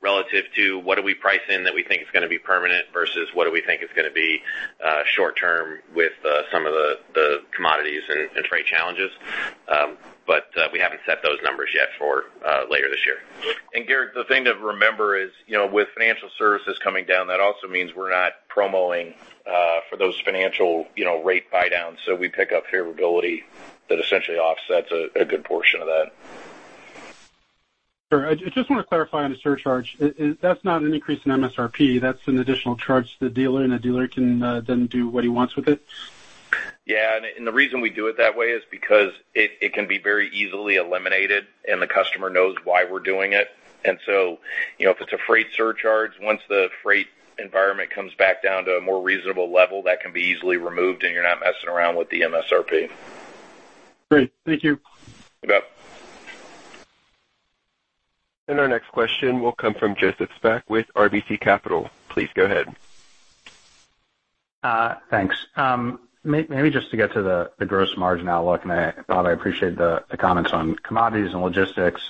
relative to what do we price in that we think is going to be permanent versus what do we think is going to be short-term with some of the commodities and trade challenges. We haven't set those numbers yet for later this year. Gerrick, the thing to remember is with financial services coming down, that also means we're not promo-ing for those financial rate buydowns. We pick up favorability that essentially offsets a good portion of that. Sure. I just want to clarify on the surcharge. That's not an increase in MSRP, that's an additional charge to the dealer, and the dealer can then do what he wants with it? Yeah, and the reason we do it that way is because it can be very easily eliminated, and the customer knows why we're doing it. If it's a freight surcharge, once the freight environment comes back down to a more reasonable level, that can be easily removed, and you're not messing around with the MSRP. Great. Thank you. You bet. Our next question will come from Joseph Spak with RBC Capital. Please go ahead. Thanks. Maybe just to get to the gross margin outlook, Bob, I appreciate the comments on commodities and logistics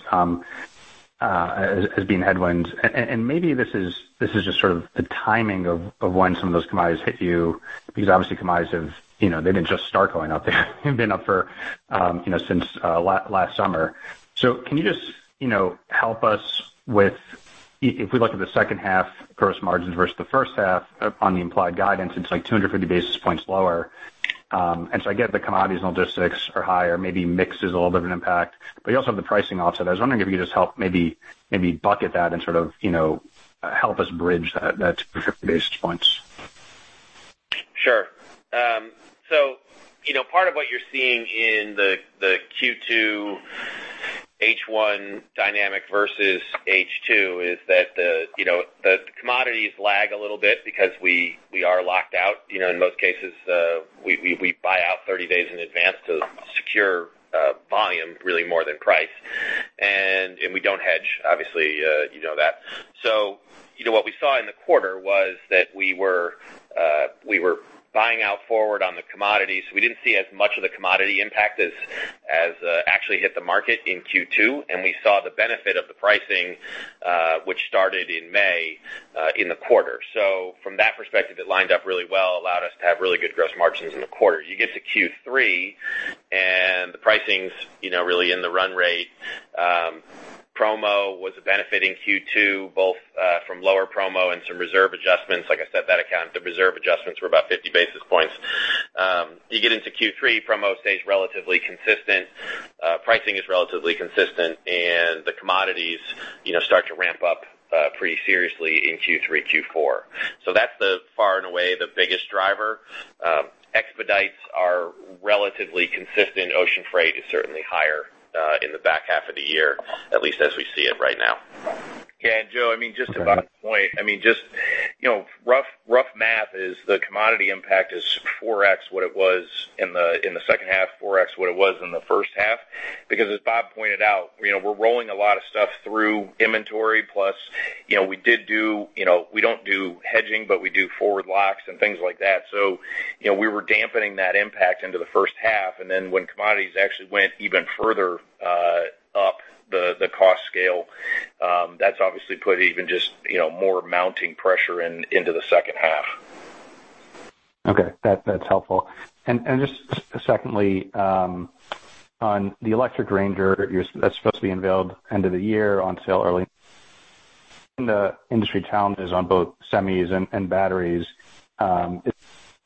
as being headwinds. Maybe this is just sort of the timing of when some of those commodities hit you because obviously commodities, they didn't just start going up. They've been up since last summer. Can you just help us with, if we look at the second half gross margins versus the first half on the implied guidance, it's like 250 basis points lower. I get the commodities and logistics are higher, maybe mix is a little bit of an impact, but you also have the pricing offset. I was wondering if you could just help maybe bucket that and sort of help us bridge that 250 basis points. Sure. Part of what you're seeing in the Q2 H1 dynamic versus H2 is that the commodities lag a little bit because we are locked out. In most cases, we buy out 30 days in advance to secure volume really more than price. We don't hedge, obviously, you know that. What we saw in the quarter was that we were buying out forward on the commodities. We didn't see as much of the commodity impact as actually hit the market in Q2, and we saw the benefit of the pricing, which started in May, in the quarter. From that perspective, it lined up really well, allowed us to have really good gross margins in the quarter. You get to Q3 and the pricing's really in the run rate. Promo was a benefit in Q2, both from lower promo and some reserve adjustments. Like I said, that account, the reserve adjustments were about 50 basis points. You get into Q3, promo stays relatively consistent, pricing is relatively consistent, and the commodities start to ramp up pretty seriously in Q3, Q4. That's far and away the biggest driver. Expedites are relatively consistent. Ocean freight is certainly higher in the back half of the year, at least as we see it right now. Yeah. Joe, just to Bob's point, just rough math is the commodity impact is 4x what it was in the second half, 4x what it was in the first half. As Bob pointed out, we're rolling a lot of stuff through inventory plus we don't do hedging, but we do forward locks and things like that. We were dampening that impact into the first half, and then when commodities actually went even further up the cost scale, that's obviously put even just more mounting pressure into the second half. Okay. That's helpful. Just secondly, on the electric RANGER that's supposed to be unveiled end of the year on sale early the industry challenges on both semis and batteries, is it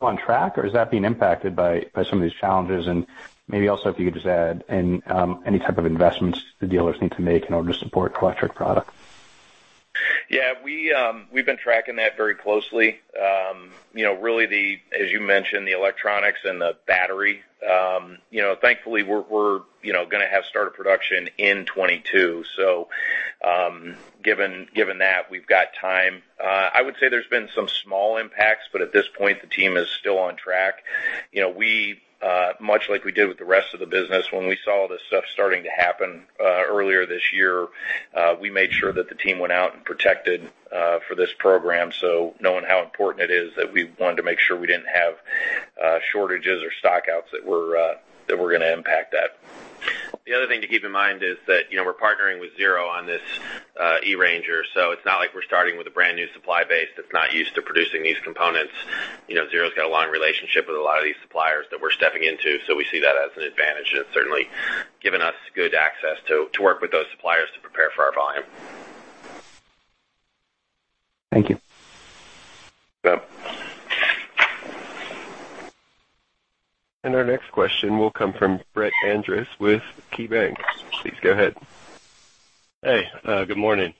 on track, or is that being impacted by some of these challenges? Maybe also, if you could just add any type of investments the dealers need to make in order to support electric product? Yeah. We've been tracking that very closely. Really the, as you mentioned, the electronics and the battery. Thankfully, we're going to have start of production in 2022. Given that, we've got time. I would say there's been some small impacts, but at this point, the team is still on track. Much like we did with the rest of the business, when we saw this stuff starting to happen earlier this year, we made sure that the team went out and protected for this program. Knowing how important it is that we wanted to make sure we didn't have shortages or stock-outs that were going to impact that. The other thing to keep in mind is that we're partnering with Zero on this E-RANGER, so it's not like we're starting with a brand-new supply base that's not used to producing these components. Zero's got a long relationship with a lot of these suppliers that we're stepping into, so we see that as an advantage, and it's certainly given us good access to work with those suppliers to prepare for our volume. Thank you. Yep. Our next question will come from Brett Andress with KeyBanc. Please go ahead. Hey, good morning.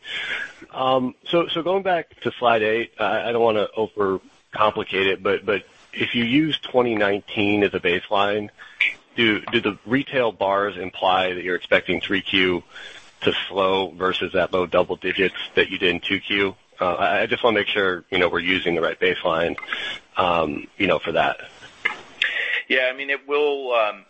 Going back to slide eight, I don't want to overcomplicate it, but if you use 2019 as a baseline, do the retail bars imply that you're expecting 3Q to slow versus that low double digits that you did in 2Q? I just want to make sure we're using the right baseline for that. Yeah.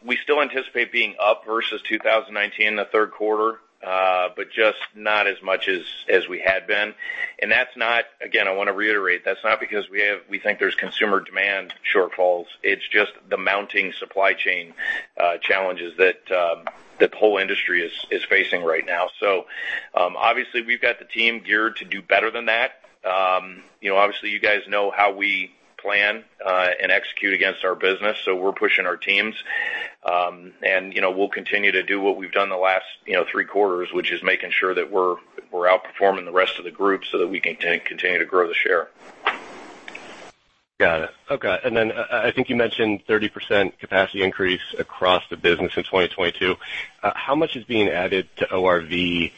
We still anticipate being up versus 2019 in the third quarter, but just not as much as we had been. Again, I want to reiterate, that's not because we think there's consumer demand shortfalls. It's just the mounting supply chain challenges that the whole industry is facing right now. Obviously, we've got the team geared to do better than that. Obviously, you guys know how we plan and execute against our business, so we're pushing our teams. We'll continue to do what we've done the last three quarters, which is making sure that we're outperforming the rest of the group so that we can continue to grow the share. Got it. Okay. I think you mentioned 30% capacity increase across the business in 2022. How much is being added to ORV?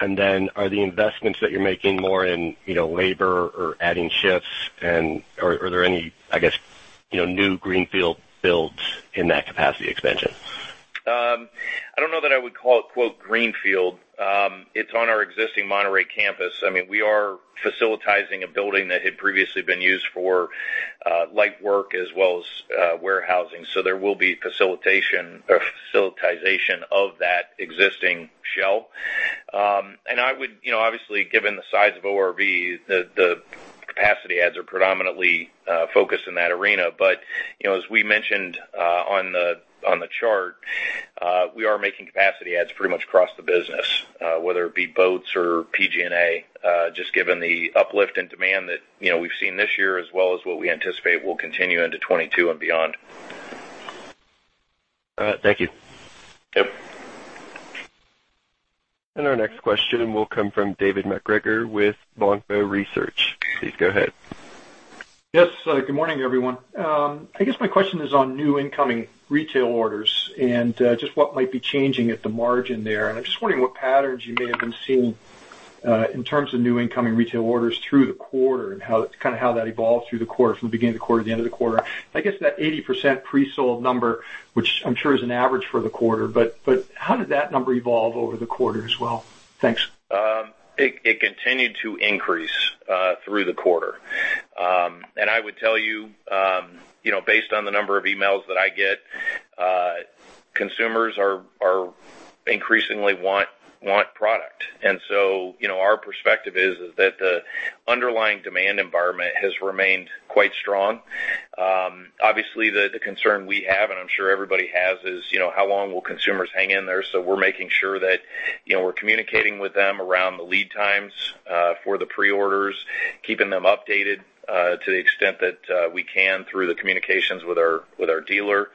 Are the investments that you're making more in labor or adding shifts, or are there any, I guess, new greenfield builds in that capacity expansion? I don't know that I would call it "greenfield." It's on our existing Monterrey campus. We are facilitizing a building that had previously been used for light work as well as warehousing. So there will be facilitation or facilitization of that existing shell. Obviously, given the size of ORV, the capacity adds are predominantly focused in that arena. As we mentioned on the chart, we are making capacity adds pretty much across the business, whether it be boats or PG&A, just given the uplift in demand that we've seen this year as well as what we anticipate will continue into 2022 and beyond. All right. Thank you. Yep. Our next question will come from David MacGregor with Longbow Research. Please go ahead. Yes. Good morning, everyone. I guess my question is on new incoming retail orders and just what might be changing at the margin there. I'm just wondering what patterns you may have been seeing in terms of new incoming retail orders through the quarter and how that evolves through the quarter from the beginning of the quarter to the end of the quarter. I guess that 80% pre-sold number, which I am sure is an average for the quarter, but how did that number evolve over the quarter as well? Thanks. It continued to increase through the quarter. I would tell you based on the number of emails that I get, consumers increasingly want product. Our perspective is that the underlying demand environment has remained quite strong. Obviously, the concern we have, and I'm sure everybody has, is how long will consumers hang in there? We're making sure that we're communicating with them around the lead times for the pre-orders, keeping them updated to the extent that we can through the communications with our dealer,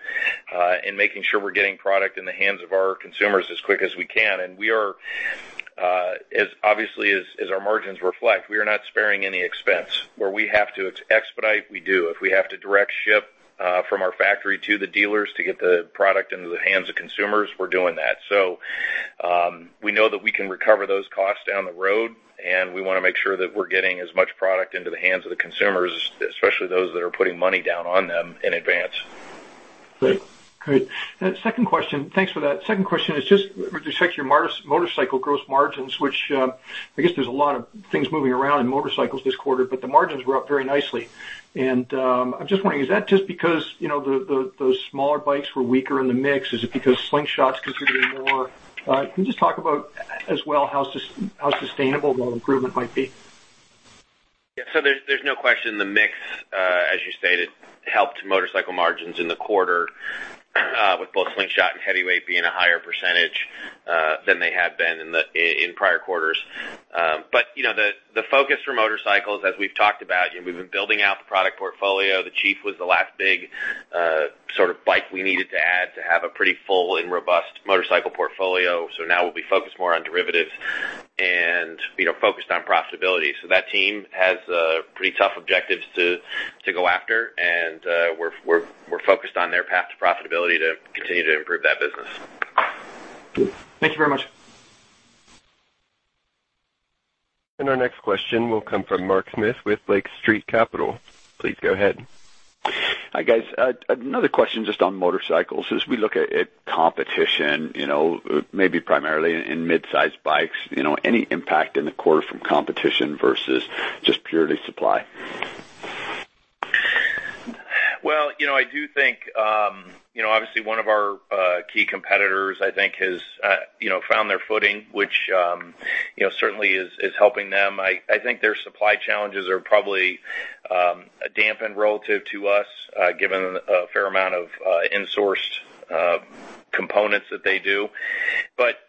and making sure we're getting product in the hands of our consumers as quick as we can. As obviously as our margins reflect, we are not sparing any expense. Where we have to expedite, we do. If we have to direct ship from our factory to the dealers to get the product into the hands of consumers, we're doing that. We know that we can recover those costs down the road, and we want to make sure that we're getting as much product into the hands of the consumers, especially those that are putting money down on them in advance. Great. Thanks for that. Second question is just with respect to your motorcycle gross margins, which I guess there's a lot of things moving around in motorcycles this quarter, but the margins were up very nicely. I'm just wondering, is that just because those smaller bikes were weaker in the mix? Is it because Slingshot contributed more? Can you just talk about, as well, how sustainable that improvement might be? There's no question the mix, as you stated, helped motorcycle margins in the quarter with both Slingshot and heavyweight being a higher percentage than they had been in prior quarters. The focus for motorcycles, as we've talked about, we've been building out the product portfolio. The Chief was the last big sort of bike we needed to add to have a pretty full and robust motorcycle portfolio. Now we'll be focused more on derivatives and focused on profitability. That team has pretty tough objectives to go after, and we're focused on their path to profitability to continue to improve that business. Thank you very much. Our next question will come from Mark Smith with Lake Street Capital. Please go ahead. Hi, guys. Another question just on motorcycles. As we look at competition, maybe primarily in mid-size bikes, any impact in the quarter from competition versus just purely supply? Well, obviously, one of our key competitors I think has found their footing, which certainly is helping them. I think their supply challenges are probably dampened relative to us, given a fair amount of insourced components that they do.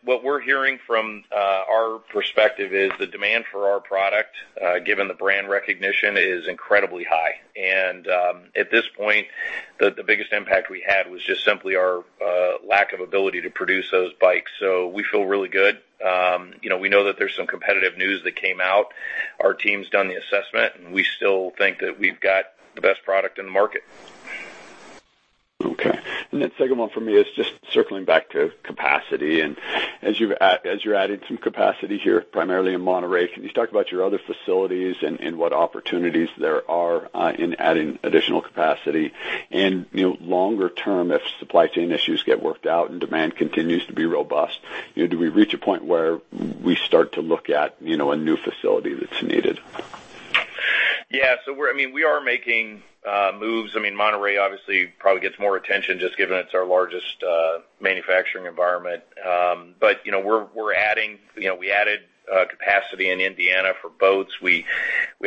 What we're hearing from our perspective is the demand for our product, given the brand recognition, is incredibly high. At this point, the biggest impact we had was just simply our lack of ability to produce those bikes. We feel really good. We know that there's some competitive news that came out. Our team's done the assessment, and we still think that we've got the best product in the market. Okay. Second one for me is just circling back to capacity. As you're adding some capacity here, primarily in Monterrey, can you just talk about your other facilities and what opportunities there are in adding additional capacity? Longer term, if supply chain issues get worked out and demand continues to be robust, do we reach a point where we start to look at a new facility that's needed? Yeah. We are making moves. Monterrey obviously probably gets more attention just given it's our largest manufacturing environment. We added capacity in Indiana for boats. We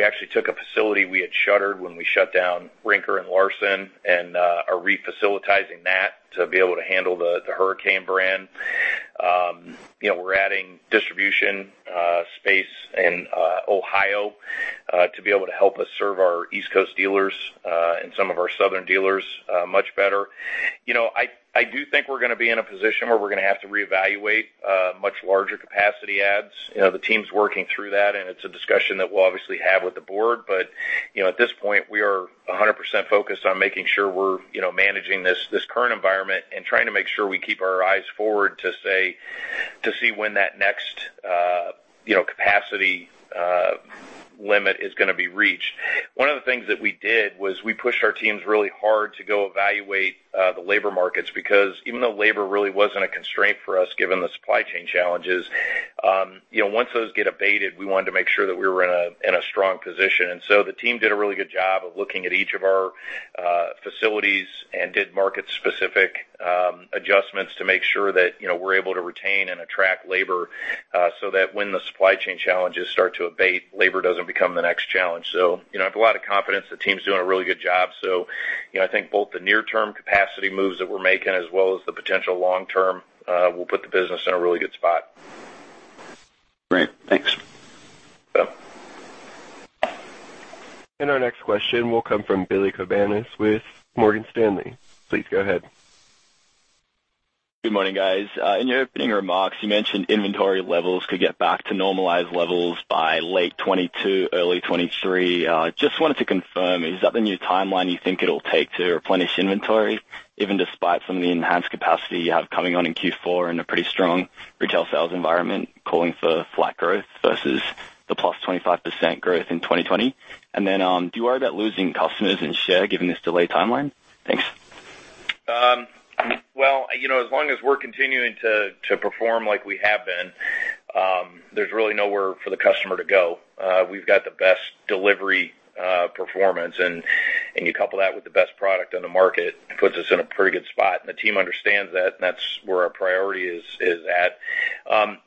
actually took a facility we had shuttered when we shut down Rinker and Larson and are refacilitizing that to be able to handle the Hurricane brand. We're adding distribution space in Ohio to be able to help us serve our East Coast dealers and some of our southern dealers much better. I do think we're going to be in a position where we're going to have to reevaluate much larger capacity adds. The team's working through that, and it's a discussion that we'll obviously have with the board. At this point, we are 100% focused on making sure we're managing this current environment and trying to make sure we keep our eyes forward to see when that next capacity limit is going to be reached. One of the things that we did was we pushed our teams really hard to go evaluate the labor markets, because even though labor really wasn't a constraint for us given the supply chain challenges, once those get abated, we wanted to make sure that we were in a strong position. The team did a really good job of looking at each of our facilities and did market-specific adjustments to make sure that we're able to retain and attract labor so that when the supply chain challenges start to abate, labor doesn't become the next challenge. I have a lot of confidence. The team's doing a really good job. I think both the near-term capacity moves that we're making as well as the potential long term will put the business in a really good spot. Great. Thanks. Yep. Our next question will come from Billy Kovanis with Morgan Stanley. Please go ahead. Good morning, guys. In your opening remarks, you mentioned inventory levels could get back to normalized levels by late 2022, early 2023. Just wanted to confirm, is that the new timeline you think it'll take to replenish inventory, even despite some of the enhanced capacity you have coming on in Q4 in a pretty strong retail sales environment calling for flat growth versus the +25% growth in 2020? Then, do you worry about losing customers and share given this delayed timeline? Thanks. Well, as long as we're continuing to perform like we have been, there's really nowhere for the customer to go. We've got the best delivery, performance, and you couple that with the best product on the market, it puts us in a pretty good spot. The team understands that, and that's where our priority is at.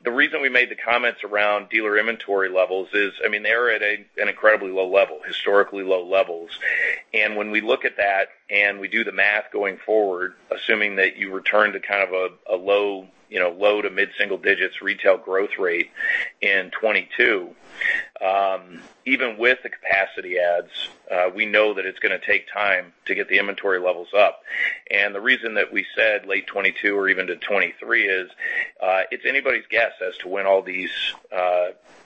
The reason we made the comments around dealer inventory levels is they are at an incredibly low level, historically low levels. When we look at that and we do the math going forward, assuming that you return to kind of a low to mid-single-digit retail growth rate in 2022, even with the capacity adds, we know that it's going to take time to get the inventory levels up. The reason that we said late 2022 or even to 2023 is, it's anybody's guess as to when all these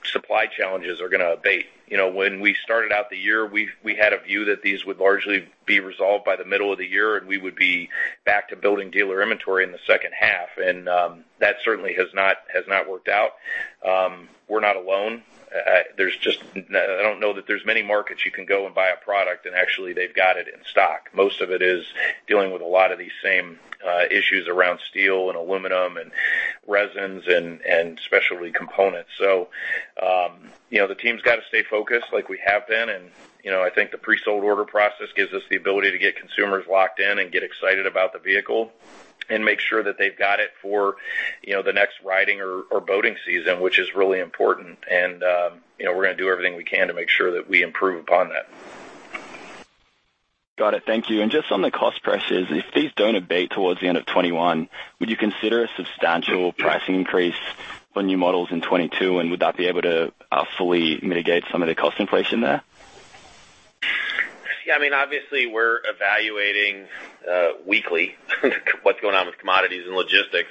supply challenges are going to abate. When we started out the year, we had a view that these would largely be resolved by the middle of the year and we would be back to building dealer inventory in the second half. That certainly has not worked out. We're not alone. I don't know that there's many markets you can go and buy a product and actually they've got it in stock. Most of it is dealing with a lot of these same issues around steel and aluminum and resins and specialty components. The team's got to stay focused like we have been, and I think the pre-sold order process gives us the ability to get consumers locked in and get excited about the vehicle and make sure that they've got it for the next riding or boating season, which is really important. We're going to do everything we can to make sure that we improve upon that. Got it. Thank you. Just on the cost pressures, if these don't abate towards the end of 2021, would you consider a substantial price increase for new models in 2022? Would that be able to fully mitigate some of the cost inflation there? Yeah. Obviously, we are evaluating weekly what is going on with commodities and logistics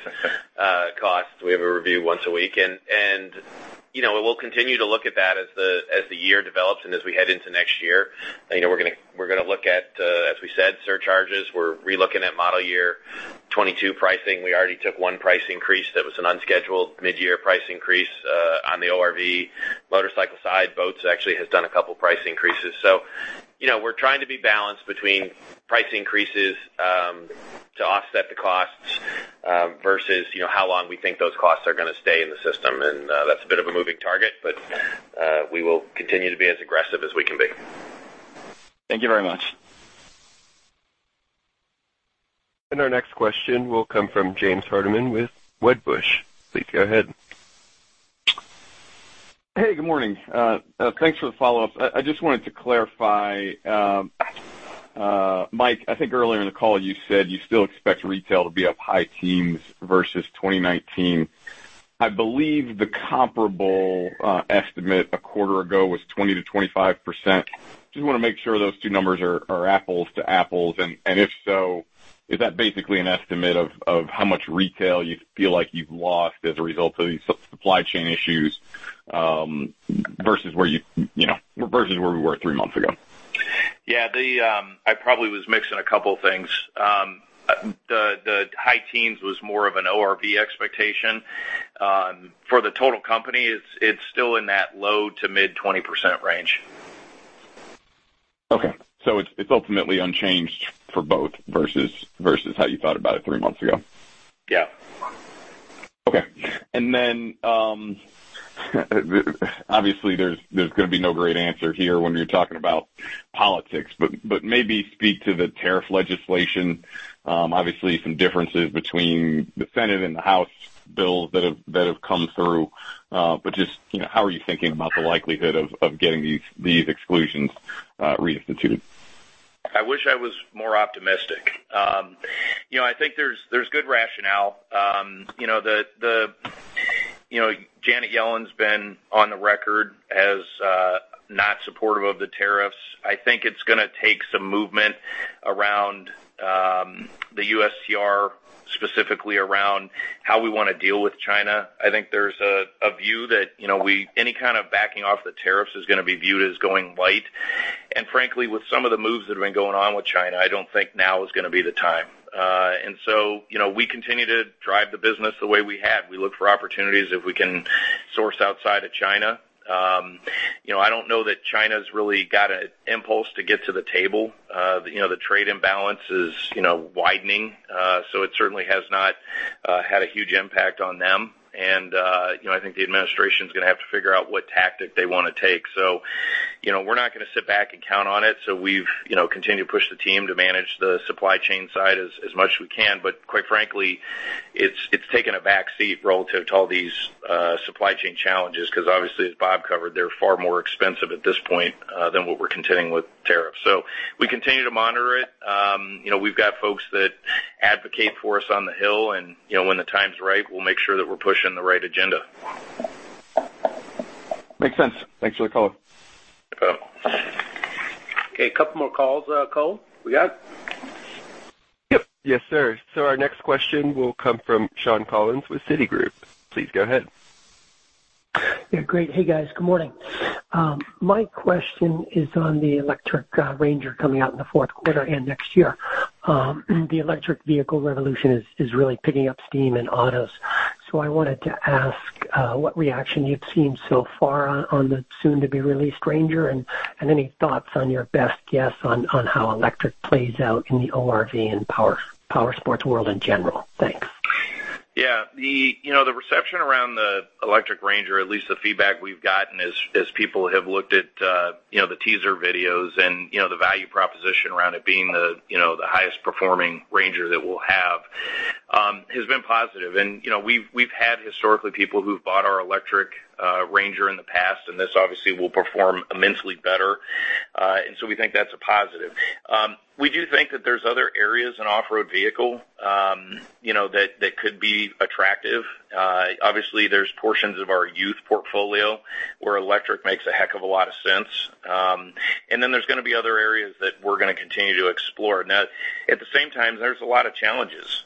costs. We have a review once a week, and we will continue to look at that as the year develops and as we head into next year. We are going to look at, as we said, surcharges. We are re-looking at model year 2022 pricing. We already took one price increase that was an unscheduled mid-year price increase on the ORV motorcycle side. Boats actually has done a couple price increases. We are trying to be balanced between price increases to offset the costs, versus how long we think those costs are going to stay in the system. That is a bit of a moving target, but we will continue to be as aggressive as we can be. Thank you very much. Our next question will come from James Hardiman with Wedbush. Please go ahead. Hey, good morning. Thanks for the follow-up. I just wanted to clarify. Mike, I think earlier in the call you said you still expect retail to be up high teens versus 2019. I believe the comparable estimate a quarter ago was 20%-25%. Just want to make sure those two numbers are apples to apples, and if so, is that basically an estimate of how much retail you feel like you've lost as a result of these supply chain issues, versus where we were three months ago? Yeah. I probably was mixing a couple of things. The high teens was more of an ORV expectation. For the total company, it's still in that low to mid 20% range. Okay. It's ultimately unchanged for both, versus how you thought about it three months ago? Yeah. Okay. Obviously, there's going to be no great answer here when you're talking about politics, but maybe speak to the tariff legislation. Obviously, some differences between the Senate and the House bills that have come through. Just how are you thinking about the likelihood of getting these exclusions reinstituted? I wish I was more optimistic. I think there's good rationale. Janet Yellen's been on the record as not supportive of the tariffs. I think it's going to take some movement around the USTR, specifically around how we want to deal with China. I think there's a view that any kind of backing off the tariffs is going to be viewed as going light. Frankly, with some of the moves that have been going on with China, I don't think now is going to be the time. We continue to drive the business the way we have. We look for opportunities if we can source outside of China. I don't know that China's really got an impulse to get to the table. The trade imbalance is widening. It certainly has not had a huge impact on them. I think the administration's going to have to figure out what tactic they want to take. We're not going to sit back and count on it, so we've continued to push the team to manage the supply chain side as much as we can, but quite frankly, it's taken a back seat relative to all these supply chain challenges, because obviously, as Bob covered, they're far more expensive at this point than what we're contending with tariffs. We continue to monitor it. We've got folks that advocate for us on the Hill, and when the time's right, we'll make sure that we're pushing the right agenda. Makes sense. Thanks for the call. No. Okay. A couple more calls, Cole? We got? Yep. Yes, sir. Our next question will come from Shawn Collins with Citigroup. Please go ahead. Yeah. Great. Hey, guys. Good morning. My question is on the electric RANGER coming out in the fourth quarter and next year. The electric vehicle revolution is really picking up steam in autos. I wanted to ask what reaction you've seen so far on the soon-to-be-released RANGER, and any thoughts on your best guess on how electric plays out in the ORV and power sports world in general? Thanks. Yeah. The reception around the electric RANGER, at least the feedback we've gotten as people have looked at the teaser videos and the value proposition around it being the highest performing RANGER that we'll have, has been positive. We've had historically people who've bought our electric RANGER in the past, and this obviously will perform immensely better. We think that's a positive. We do think that there's other areas in off-road vehicle that could be attractive. Obviously, there's portions of our youth portfolio where electric makes a heck of a lot of sense. There's going to be other areas that we're going to continue to explore. Now, at the same time, there's a lot of challenges.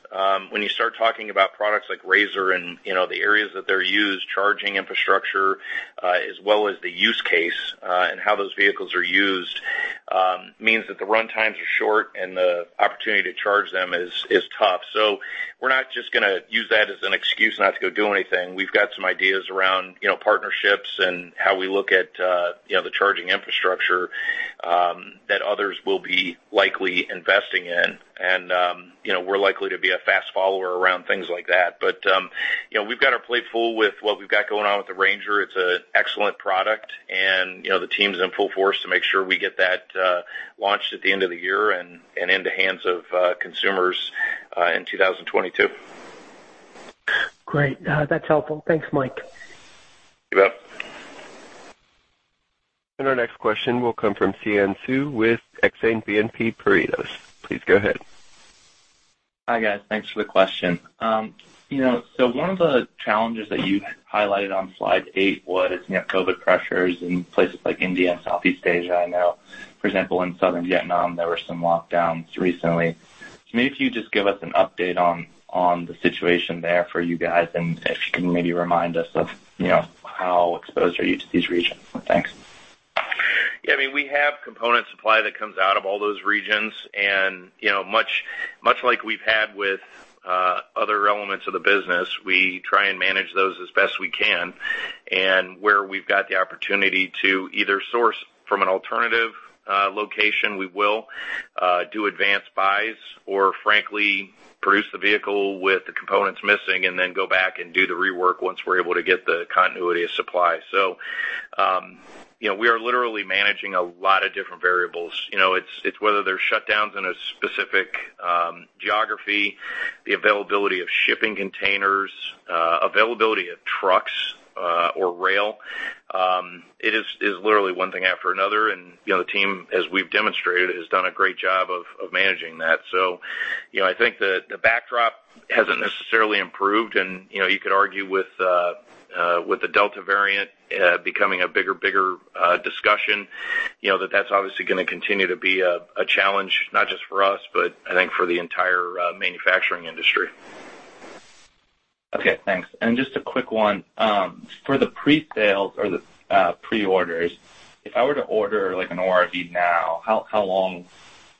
When you start talking about products like RZR and the areas that they're used, charging infrastructure, as well as the use case, and how those vehicles are used, means that the run times are short and the opportunity to charge them is tough. We're not just going to use that as an excuse not to go do anything. We've got some ideas around partnerships and how we look at the charging infrastructure that others will be likely investing in. We're likely to be a fast follower around things like that. We've got our plate full with what we've got going on with the RANGER. It's an excellent product and the team's in full force to make sure we get that launched at the end of the year and into hands of consumers in 2022. Great. That's helpful. Thanks, Mike. You bet. Our next question will come from Xian Siew with Exane BNP Paribas. Please go ahead. Hi, guys. Thanks for the question. One of the challenges that you highlighted on slide eight was COVID pressures in places like India and Southeast Asia. I know, for example, in Southern Vietnam, there were some lockdowns recently. Maybe if you just give us an update on the situation there for you guys, and if you can maybe remind us of how exposed are you to these regions? Thanks. Yeah, we have component supply that comes out of all those regions. Much like we've had with other elements of the business, we try and manage those as best we can. Where we've got the opportunity to either source from an alternative location, we will do advanced buys or frankly, produce the vehicle with the components missing and then go back and do the rework once we're able to get the continuity of supply. We are literally managing a lot of different variables. It's whether there's shutdowns in a specific geography, the availability of shipping containers, availability of trucks or rail. It is literally one thing after another. The team, as we've demonstrated, has done a great job of managing that. I think that the backdrop hasn't necessarily improved. You could argue with the Delta variant becoming a bigger, bigger discussion, that that's obviously going to continue to be a challenge, not just for us, but I think for the entire manufacturing industry. Okay, thanks. Just a quick one. For the pre-sales or the pre-orders, if I were to order an ORV now, how long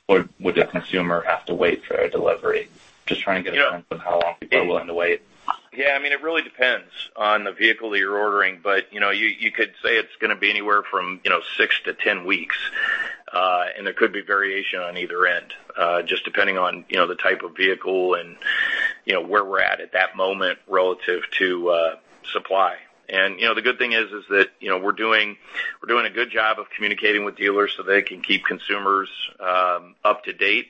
would the consumer have to wait for a delivery? Just trying to get a sense of how long people are willing to wait. Yeah. It really depends on the vehicle that you're ordering. You could say it's going to be anywhere from 6-10 weeks. There could be variation on either end, just depending on the type of vehicle and where we're at at that moment relative to supply. The good thing is that we're doing a good job of communicating with dealers so they can keep consumers up to date.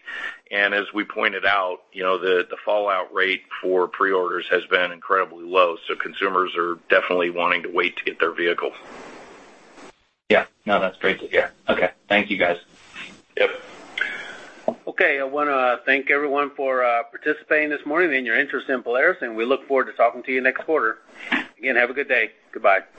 As we pointed out, the fallout rate for pre-orders has been incredibly low, so consumers are definitely wanting to wait to get their vehicle. Yeah. No, that's great to hear. Okay. Thank you, guys. Yep. Okay, I want to thank everyone for participating this morning and your interest in Polaris, and we look forward to talking to you next quarter. Again, have a good day. Goodbye.